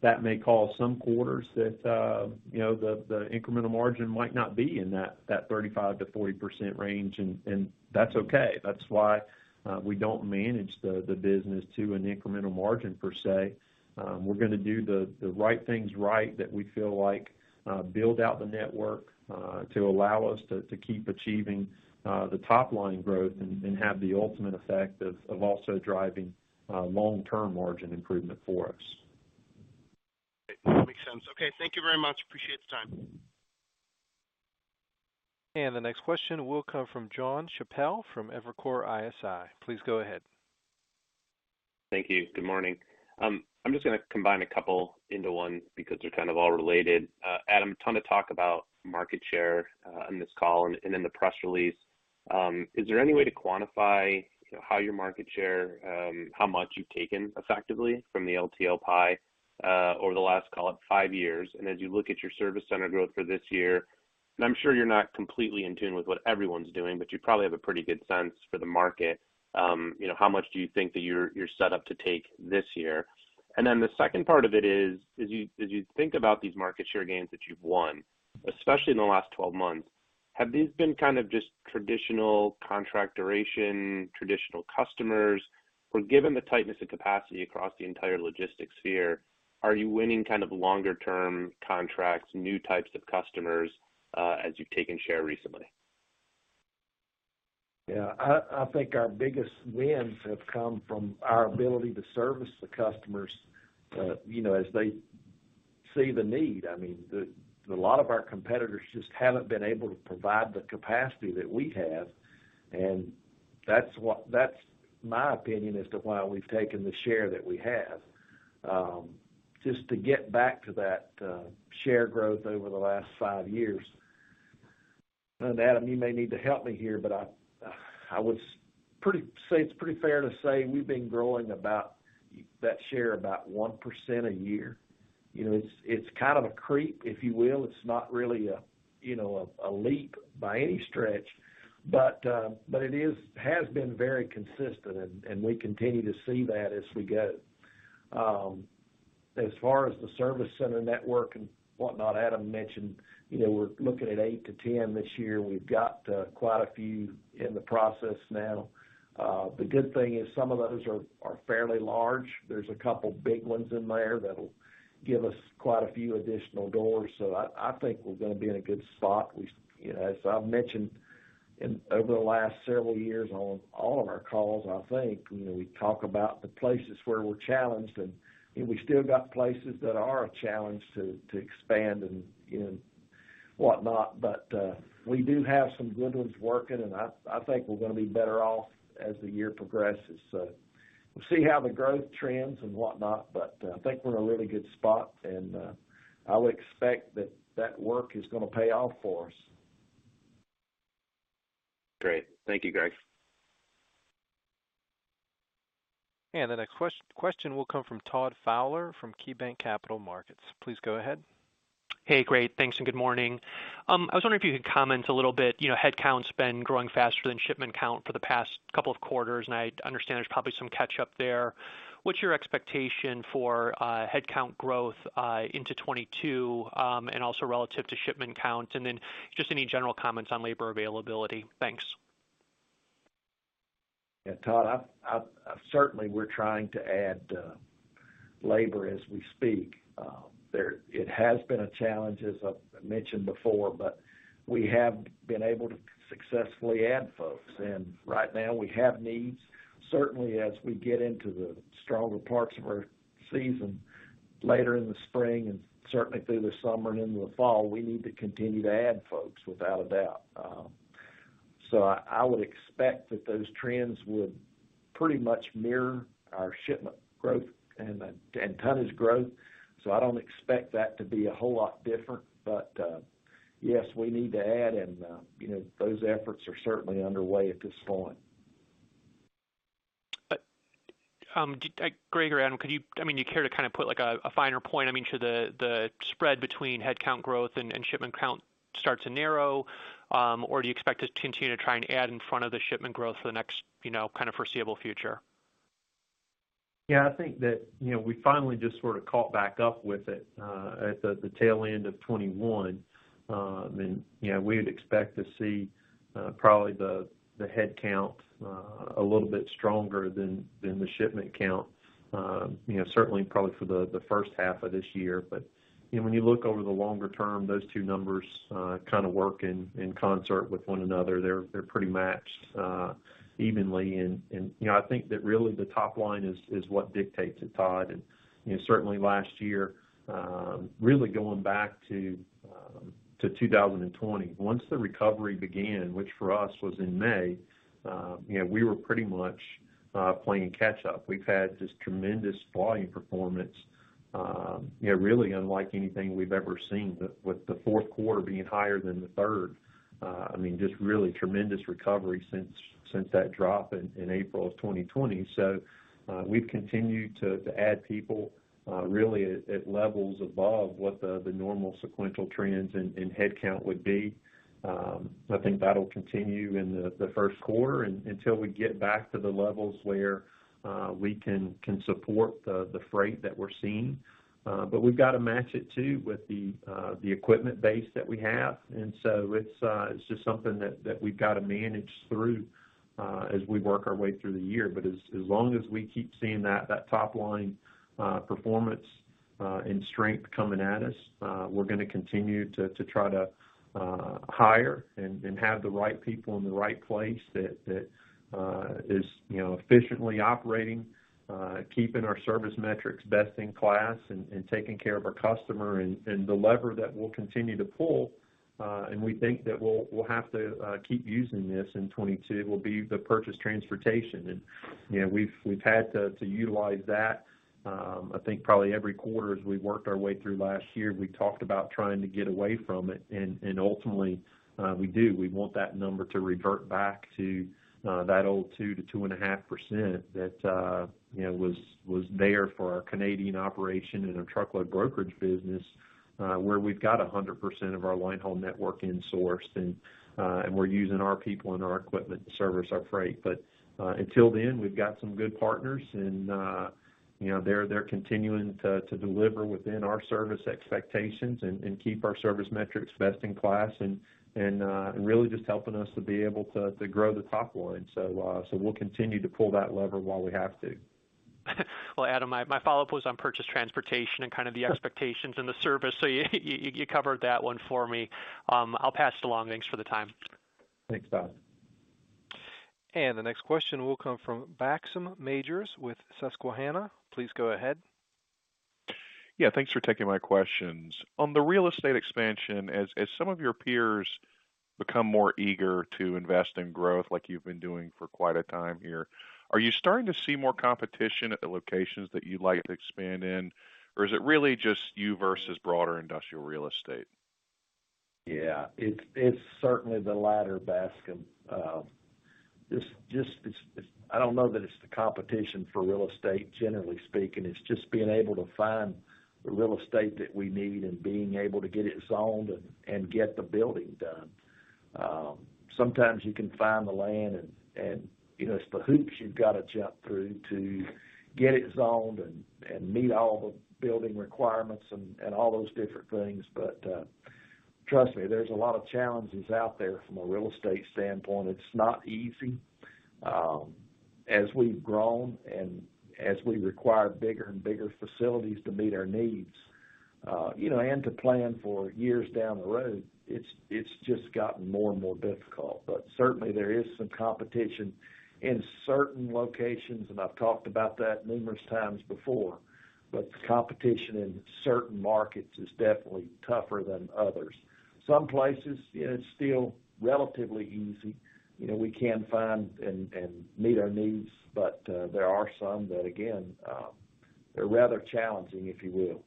[SPEAKER 4] That may cause some quarters that you know the incremental margin might not be in that 35%-40% range, and that's okay. That's why we don't manage the business to an incremental margin per se. We're gonna do the right things right that we feel like build out the network to allow us to keep achieving the top line growth and have the ultimate effect of also driving long-term margin improvement for us.
[SPEAKER 10] Great. That makes sense. Okay, thank you very much. Appreciate the time.
[SPEAKER 1] The next question will come from Jonathan Chappell from Evercore ISI. Please go ahead.
[SPEAKER 11] Thank you. Good morning. I'm just gonna combine a couple into one because they're kind of all related. Adam, ton of talk about market share on this call and in the press release. Is there any way to quantify how your market share, how much you've taken effectively from the LTL pie over the last, call it five years? As you look at your service center growth for this year, and I'm sure you're not completely in tune with what everyone's doing, but you probably have a pretty good sense for the market, you know, how much do you think that you're set up to take this year? The second part of it is, as you think about these market share gains that you've won, especially in the last 12 months, have these been kind of just traditional contract duration, traditional customers? Or given the tightness of capacity across the entire logistics sphere, are you winning kind of longer term contracts, new types of customers, as you've taken share recently?
[SPEAKER 3] Yeah. I think our biggest wins have come from our ability to service the customers, you know, as they see the need. I mean, a lot of our competitors just haven't been able to provide the capacity that we have, and that's my opinion as to why we've taken the share that we have. Just to get back to that, share growth over the last five years. Adam, you may need to help me here, but I would say it's pretty fair to say we've been growing about that share about 1% a year. You know, it's kind of a creep, if you will. It's not really a, you know, a leap by any stretch, but it has been very consistent, and we continue to see that as we go. As far as the service center network and whatnot, Adam mentioned, you know, we're looking at 8-10 this year. We've got quite a few in the process now. The good thing is some of those are fairly large. There's a couple big ones in there that'll give us quite a few additional doors. So I think we're gonna be in a good spot. We, you know, as I've mentioned over the last several years on all of our calls, I think, you know, we talk about the places where we're challenged, and, you know, we still got places that are a challenge to expand and, you know, whatnot. But we do have some good ones working, and I think we're gonna be better off as the year progresses. We'll see how the growth trends and what not, but I think we're in a really good spot and I'll expect that work is gonna pay off for us.
[SPEAKER 11] Great. Thank you, Greg.
[SPEAKER 1] The next question will come from Todd Fowler from KeyBanc Capital Markets. Please go ahead.
[SPEAKER 12] Hey, great. Thanks, and good morning. I was wondering if you could comment a little bit, you know, headcount spend growing faster than shipment count for the past couple of quarters, and I understand there's probably some catch up there. What's your expectation for headcount growth into 2022, and also relative to shipment count? Just any general comments on labor availability. Thanks.
[SPEAKER 4] Yeah, Todd, certainly we're trying to add labor as we speak. It has been a challenge, as I've mentioned before, but we have been able to successfully add folks. Right now we have needs. Certainly, as we get into the stronger parts of our season. Later in the spring and certainly through the summer and into the fall, we need to continue to add folks without a doubt. I would expect that those trends would pretty much mirror our shipment growth and tonnage growth. I don't expect that to be a whole lot different. Yes, we need to add and you know, those efforts are certainly underway at this point.
[SPEAKER 12] Greg Gantt or Adam Satterfield, could you care to kind of put like a finer point? I mean, should the spread between headcount growth and shipment count start to narrow? Or do you expect to continue to try and add in front of the shipment growth for the next, you know, kind of foreseeable future?
[SPEAKER 4] Yeah, I think that, you know, we finally just sort of caught back up with it at the tail end of 2021. You know, we would expect to see probably the headcount a little bit stronger than the shipment count, you know, certainly probably for the first half of this year. You know, when you look over the longer term, those two numbers kind of work in concert with one another. They're pretty matched evenly. You know, I think that really the top line is what dictates it, Todd. You know, certainly last year, really going back to 2020, once the recovery began, which for us was in May, you know, we were pretty much playing catch up. We've had this tremendous volume performance, you know, really unlike anything we've ever seen, with the fourth quarter being higher than the third. I mean, just really tremendous recovery since that drop in April of 2020. We've continued to add people, really at levels above what the normal sequential trends in headcount would be. I think that'll continue in the first quarter until we get back to the levels where we can support the freight that we're seeing. We've got to match it too with the equipment base that we have. It's just something that we've got to manage through as we work our way through the year. As long as we keep seeing that top line performance and strength coming at us, we're gonna continue to try to hire and have the right people in the right place that is, you know, efficiently operating, keeping our service metrics best in class and taking care of our customer. The lever that we'll continue to pull, and we think that we'll have to keep using this in 2022, will be the purchased transportation. You know, we've had to utilize that, I think probably every quarter as we worked our way through last year. We talked about trying to get away from it, and ultimately, we do. We want that number to revert back to that old 2%-2.5% that you know was there for our Canadian operation and our truckload brokerage business where we've got 100% of our line haul network insourced and we're using our people and our equipment to service our freight. Until then, we've got some good partners and you know they're continuing to deliver within our service expectations and keep our service metrics best in class and really just helping us to be able to grow the top line. We'll continue to pull that lever while we have to.
[SPEAKER 12] Well, Adam, my follow-up was on purchased transportation and kind of the expectations and the service. You covered that one for me. I'll pass it along. Thanks for the time.
[SPEAKER 4] Thanks, Todd.
[SPEAKER 1] The next question will come from Bascome Majors with Susquehanna. Please go ahead.
[SPEAKER 13] Yeah, thanks for taking my questions. On the real estate expansion, as some of your peers become more eager to invest in growth like you've been doing for quite a time here, are you starting to see more competition at the locations that you'd like to expand in? Or is it really just you versus broader industrial real estate?
[SPEAKER 4] Yeah. It's certainly the latter, Bascome. I don't know that it's the competition for real estate, generally speaking. It's just being able to find the real estate that we need and being able to get it zoned and get the building done. Sometimes you can find the land and, you know, it's the hoops you've got to jump through to get it zoned and meet all the building requirements and all those different things. Trust me, there's a lot of challenges out there from a real estate standpoint. It's not easy. As we've grown and as we require bigger and bigger facilities to meet our needs, you know, and to plan for years down the road, it's just gotten more and more difficult. Certainly there is some competition in certain locations, and I've talked about that numerous times before. The competition in certain markets is definitely tougher than others. Some places, you know, it's still relatively easy. You know, we can find and meet our needs. There are some that again, they're rather challenging, if you will.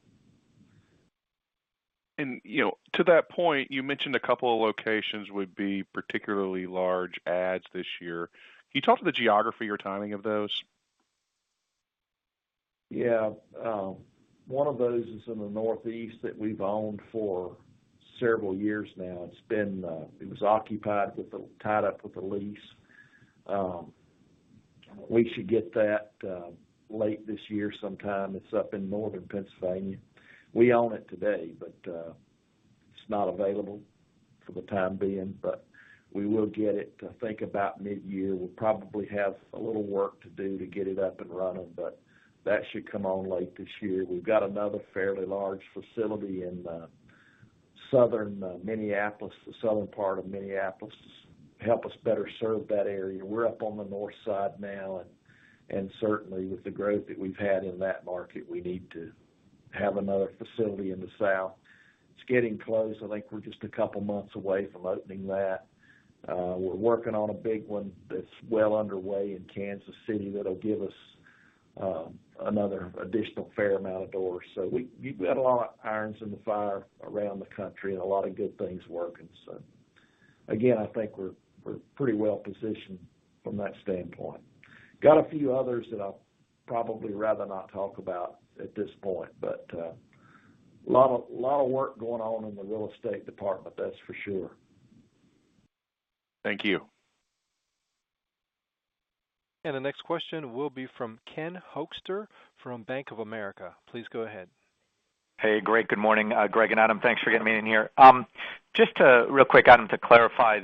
[SPEAKER 13] You know, to that point, you mentioned a couple of locations would be particularly large adds this year. Can you talk to the geography or timing of those?
[SPEAKER 4] Yeah. One of those is in the Northeast that we've owned for several years now. It's been occupied, tied up with a lease. We should get that late this year sometime. It's up in northern Pennsylvania. We own it today, but it's not available for the time being, but we will get it, I think, about midyear. We'll probably have a little work to do to get it up and running, but that should come online late this year. We've got another fairly large facility in southern Minneapolis to help us better serve that area. We're up on the north side now and certainly with the growth that we've had in that market, we need to have another facility in the south. It's getting close. I think we're just a couple months away from opening that. We're working on a big one that's well underway in Kansas City that'll give us another additional fair amount of doors. We've got a lot of irons in the fire around the country and a lot of good things working. Again, I think we're pretty well-positioned from that standpoint. Got a few others that I'll probably rather not talk about at this point, but lot of work going on in the real estate department, that's for sure.
[SPEAKER 13] Thank you.
[SPEAKER 1] The next question will be from Ken Hoexter from Bank of America. Please go ahead.
[SPEAKER 14] Hey. Great. Good morning, Greg and Adam. Thanks for getting me in here. Just real quick, Adam, to clarify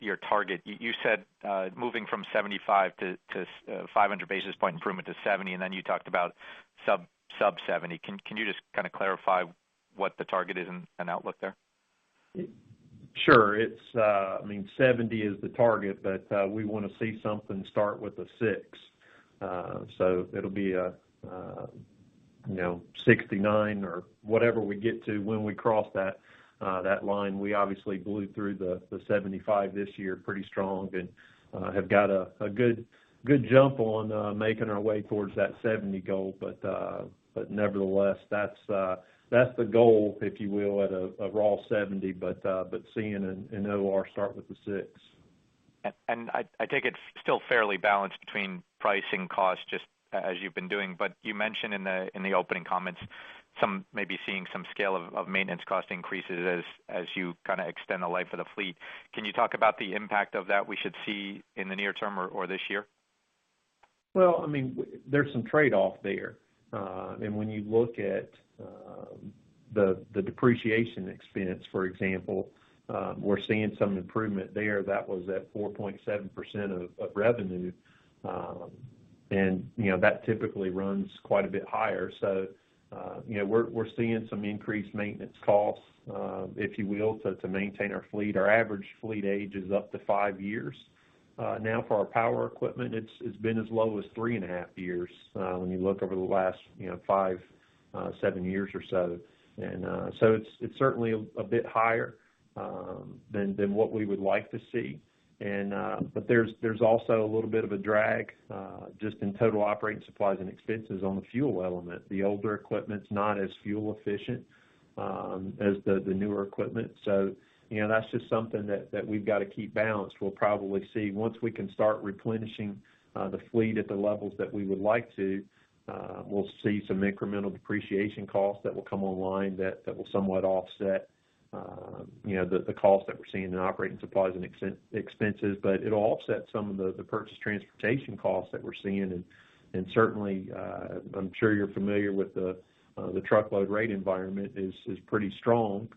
[SPEAKER 14] your target. You said moving from 75 to 500 basis point improvement to 70, and then you talked about sub-70. Can you just kinda clarify what the target is and outlook there?
[SPEAKER 4] Sure. It's, I mean, 70% is the target, but we wanna see something start with a 6. It'll be a, you know, 69% or whatever we get to when we cross that line. We obviously blew through the 75% this year pretty strong and have got a good jump on making our way towards that 70% goal. Nevertheless, that's the goal, if you will, at a raw 70%, but seeing an OR start with a 6.
[SPEAKER 14] I think it's still fairly balanced between pricing and costs just as you've been doing. But you mentioned in the opening comments some maybe seeing some scaling of maintenance cost increases as you kinda extend the life of the fleet. Can you talk about the impact of that we should see in the near term or this year?
[SPEAKER 4] Well, I mean, there's some trade-off there. When you look at the depreciation expense, for example, we're seeing some improvement there. That was at 4.7% of revenue. You know, that typically runs quite a bit higher. You know, we're seeing some increased maintenance costs, if you will, to maintain our fleet. Our average fleet age is up to five years. Now for our power equipment, it's been as low as three and half years, when you look over the last five-seven years or so. It's certainly a bit higher than what we would like to see. There's also a little bit of a drag, just in total operating supplies and expenses on the fuel element. The older equipment's not as fuel efficient, as the newer equipment. So, you know, that's just something that we've gotta keep balanced. We'll probably see once we can start replenishing the fleet at the levels that we would like to, we'll see some incremental depreciation costs that will come online that will somewhat offset you know the costs that we're seeing in operating supplies and expenses. But it'll offset some of the purchased transportation costs that we're seeing. Certainly, I'm sure you're familiar with the truckload rate environment is pretty strong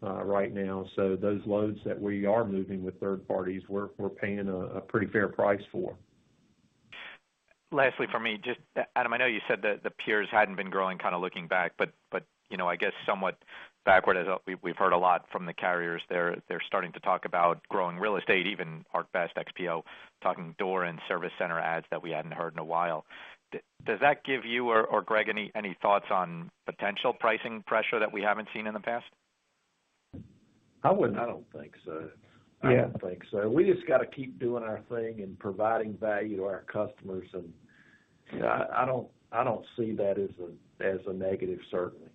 [SPEAKER 4] right now. Those loads that we are moving with third parties, we're paying a pretty fair price for.
[SPEAKER 14] Lastly for me, just Adam, I know you said that the peers hadn't been growing kind of looking back, but you know, I guess somewhat backward, I thought we've heard a lot from the carriers. They're starting to talk about growing real estate, even ArcBest, XPO talking about doors and service center adds that we hadn't heard in a while. Does that give you or Greg any thoughts on potential pricing pressure that we haven't seen in the past?
[SPEAKER 4] I wouldn't. I don't think so.
[SPEAKER 14] Yeah.
[SPEAKER 4] I don't think so. We just gotta keep doing our thing and providing value to our customers. I don't see that as a negative, certainly.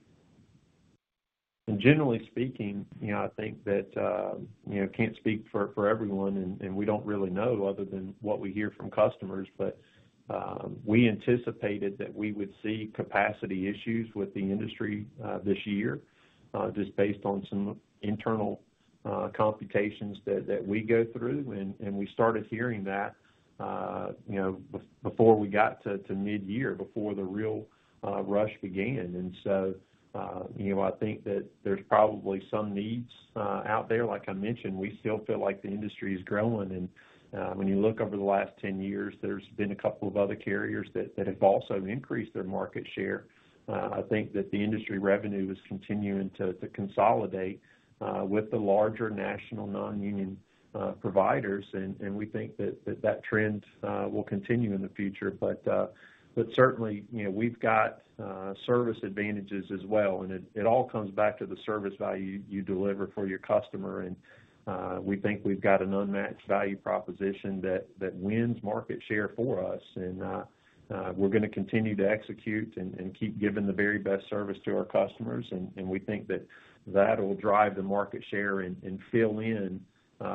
[SPEAKER 4] Generally speaking, you know, I think that I can't speak for everyone, and we don't really know other than what we hear from customers. We anticipated that we would see capacity issues with the industry this year just based on some internal computations that we go through. We started hearing that you know before we got to midyear, before the real rush began. You know, I think that there's probably some needs out there. Like I mentioned, we still feel like the industry is growing. When you look over the last 10 years, there's been a couple of other carriers that have also increased their market share. I think that the industry revenue is continuing to consolidate with the larger national non-union providers. We think that trend will continue in the future. Certainly, you know, we've got service advantages as well, and it all comes back to the service value you deliver for your customer. We think we've got an unmatched value proposition that wins market share for us. We're gonna continue to execute and keep giving the very best service to our customers. We think that that'll drive the market share and fill in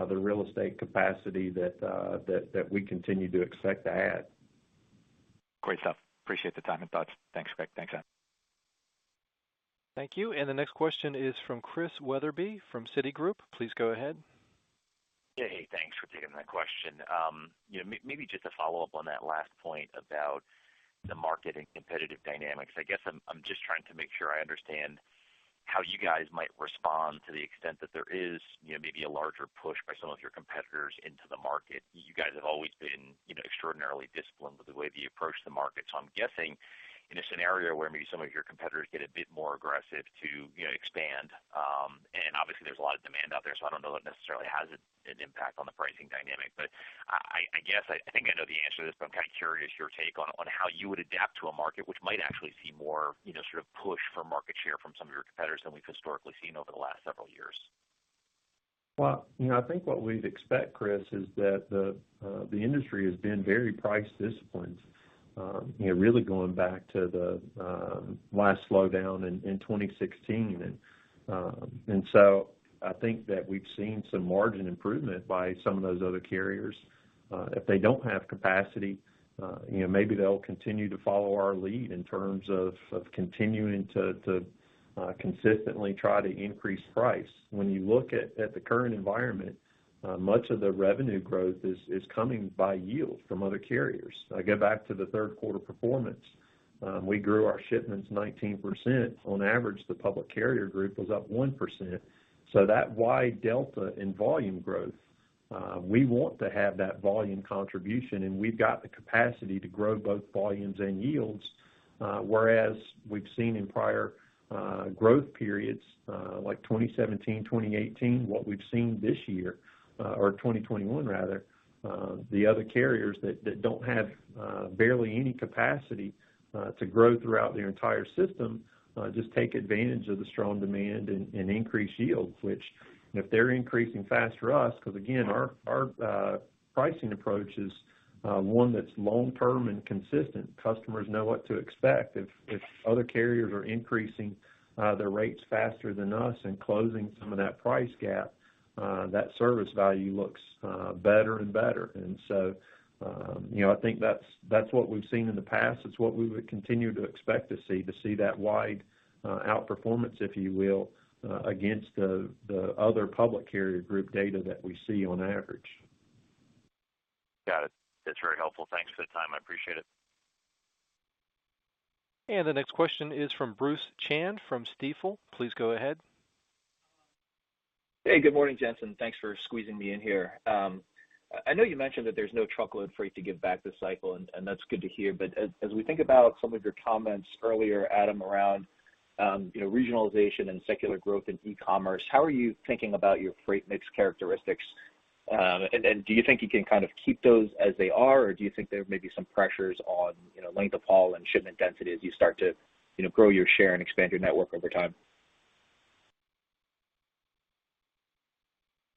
[SPEAKER 4] the real estate capacity that we continue to expect to add.
[SPEAKER 14] Great stuff. Appreciate the time and thoughts. Thanks, Greg. Thanks, Adam.
[SPEAKER 1] Thank you. The next question is from Christian Wetherbee from Citigroup. Please go ahead.
[SPEAKER 15] Yeah. Hey, thanks for taking my question. You know, maybe just a follow-up on that last point about the market and competitive dynamics. I guess I'm just trying to make sure I understand how you guys might respond. To the extent that there is, you know, maybe a larger push by some of your competitors into the market. You guys have always been, you know, extraordinarily disciplined with the way that you approach the market. I'm guessing in a scenario where maybe some of your competitors get a bit more aggressive to, you know, expand, and obviously there's a lot of demand out there, so I don't know that necessarily has an impact on the pricing dynamic. I guess, I think I know the answer to this, but I'm kind of curious your take on how you would adapt to a market which might actually see more, you know, sort of push for market share from some of your competitors than we've historically seen over the last several years.
[SPEAKER 4] Well, you know, I think what we'd expect, Chris, is that the industry has been very price disciplined, you know, really going back to the last slowdown in 2016. I think that we've seen some margin improvement by some of those other carriers. If they don't have capacity, you know, maybe they'll continue to follow our lead in terms of continuing to consistently try to increase price. When you look at the current environment, much of the revenue growth is coming by yield from other carriers. I go back to the third quarter performance. We grew our shipments 19%. On average, the public carrier group was up 1%. That wide delta in volume growth, we want to have that volume contribution, and we've got the capacity to grow both volumes and yields. Whereas we've seen in prior growth periods, like 2017, 2018, what we've seen this year, or 2021 rather, the other carriers that don't have barely any capacity to grow throughout their entire system, just take advantage of the strong demand and increase yields. Which if they're increasing faster than us, 'cause again, our pricing approach is one that's long-term and consistent. Customers know what to expect. If other carriers are increasing their rates faster than us and closing some of that price gap, that service value looks better and better. You know, I think that's what we've seen in the past. It's what we would continue to expect to see that wide outperformance, if you will, against the other public carrier group data that we see on average.
[SPEAKER 15] Got it. That's very helpful. Thanks for the time. I appreciate it.
[SPEAKER 1] The next question is from Bruce Chan from Stifel. Please go ahead.
[SPEAKER 16] Hey, good morning, gents, and thanks for squeezing me in here. I know you mentioned that there's no truckload freight to give back this cycle, and that's good to hear. As we think about some of your comments earlier, Adam, around you know, regionalization and secular growth in e-commerce, how are you thinking about your freight mix characteristics? Do you think you can kind of keep those as they are, or do you think there may be some pressures on you know, length of haul and shipment density as you start to you know, grow your share and expand your network over time?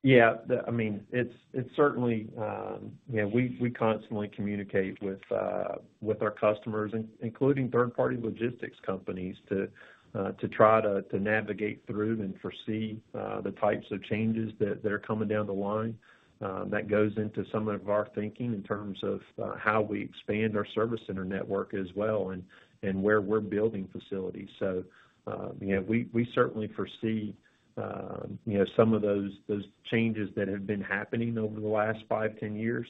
[SPEAKER 4] Yeah. I mean, it's certainly, you know, we constantly communicate with our customers, including third-party logistics companies, to try to navigate through and foresee the types of changes that are coming down the line. That goes into some of our thinking in terms of how we expand our service center network as well and where we're building facilities. You know, we certainly foresee, you know, some of those changes that have been happening over the last five, 10 years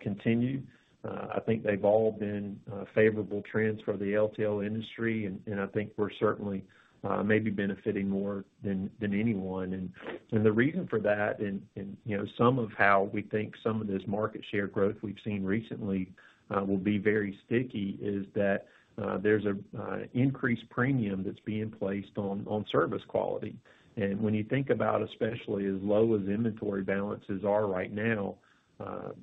[SPEAKER 4] continue. I think they've all been favorable trends for the LTL industry and I think we're certainly maybe benefiting more than anyone. The reason for that, you know, some of how we think some of this market share growth we've seen recently will be very sticky is that there's an increased premium that's being placed on service quality. When you think about, especially as low as inventory balances are right now,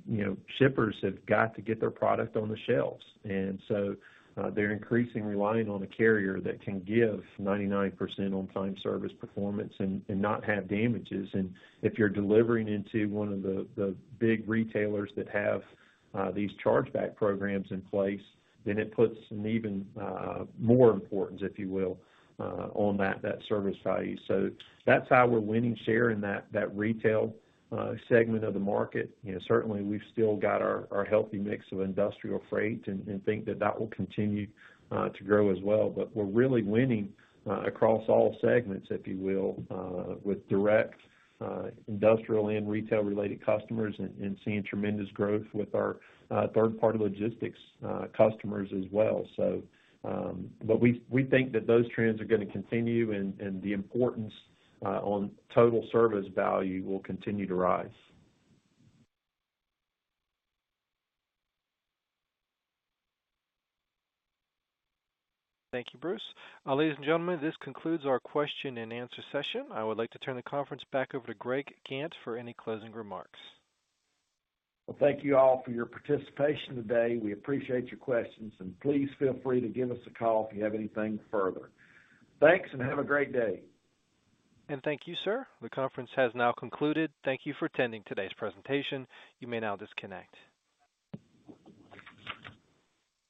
[SPEAKER 4] you know, shippers have got to get their product on the shelves. They're increasingly relying on a carrier that can give 99% on-time service performance and not have damages. If you're delivering into one of the big retailers that have these chargeback programs in place, then it puts an even more importance, if you will, on that service value. That's how we're winning share in that retail segment of the market. You know, certainly we've still got our healthy mix of industrial freight and think that will continue to grow as well. We're really winning across all segments, if you will, with direct industrial and retail-related customers and seeing tremendous growth with our third-party logistics customers as well. We think that those trends are gonna continue and the importance on total service value will continue to rise.
[SPEAKER 1] Thank you, Bruce. Ladies and gentlemen, this concludes our question-and-answer session. I would like to turn the conference back over to Greg Gantt for any closing remarks.
[SPEAKER 3] Well, thank you all for your participation today. We appreciate your questions, and please feel free to give us a call if you have anything further. Thanks, and have a great day.
[SPEAKER 1] Thank you, sir. The conference has now concluded. Thank you for attending today's presentation. You may now disconnect.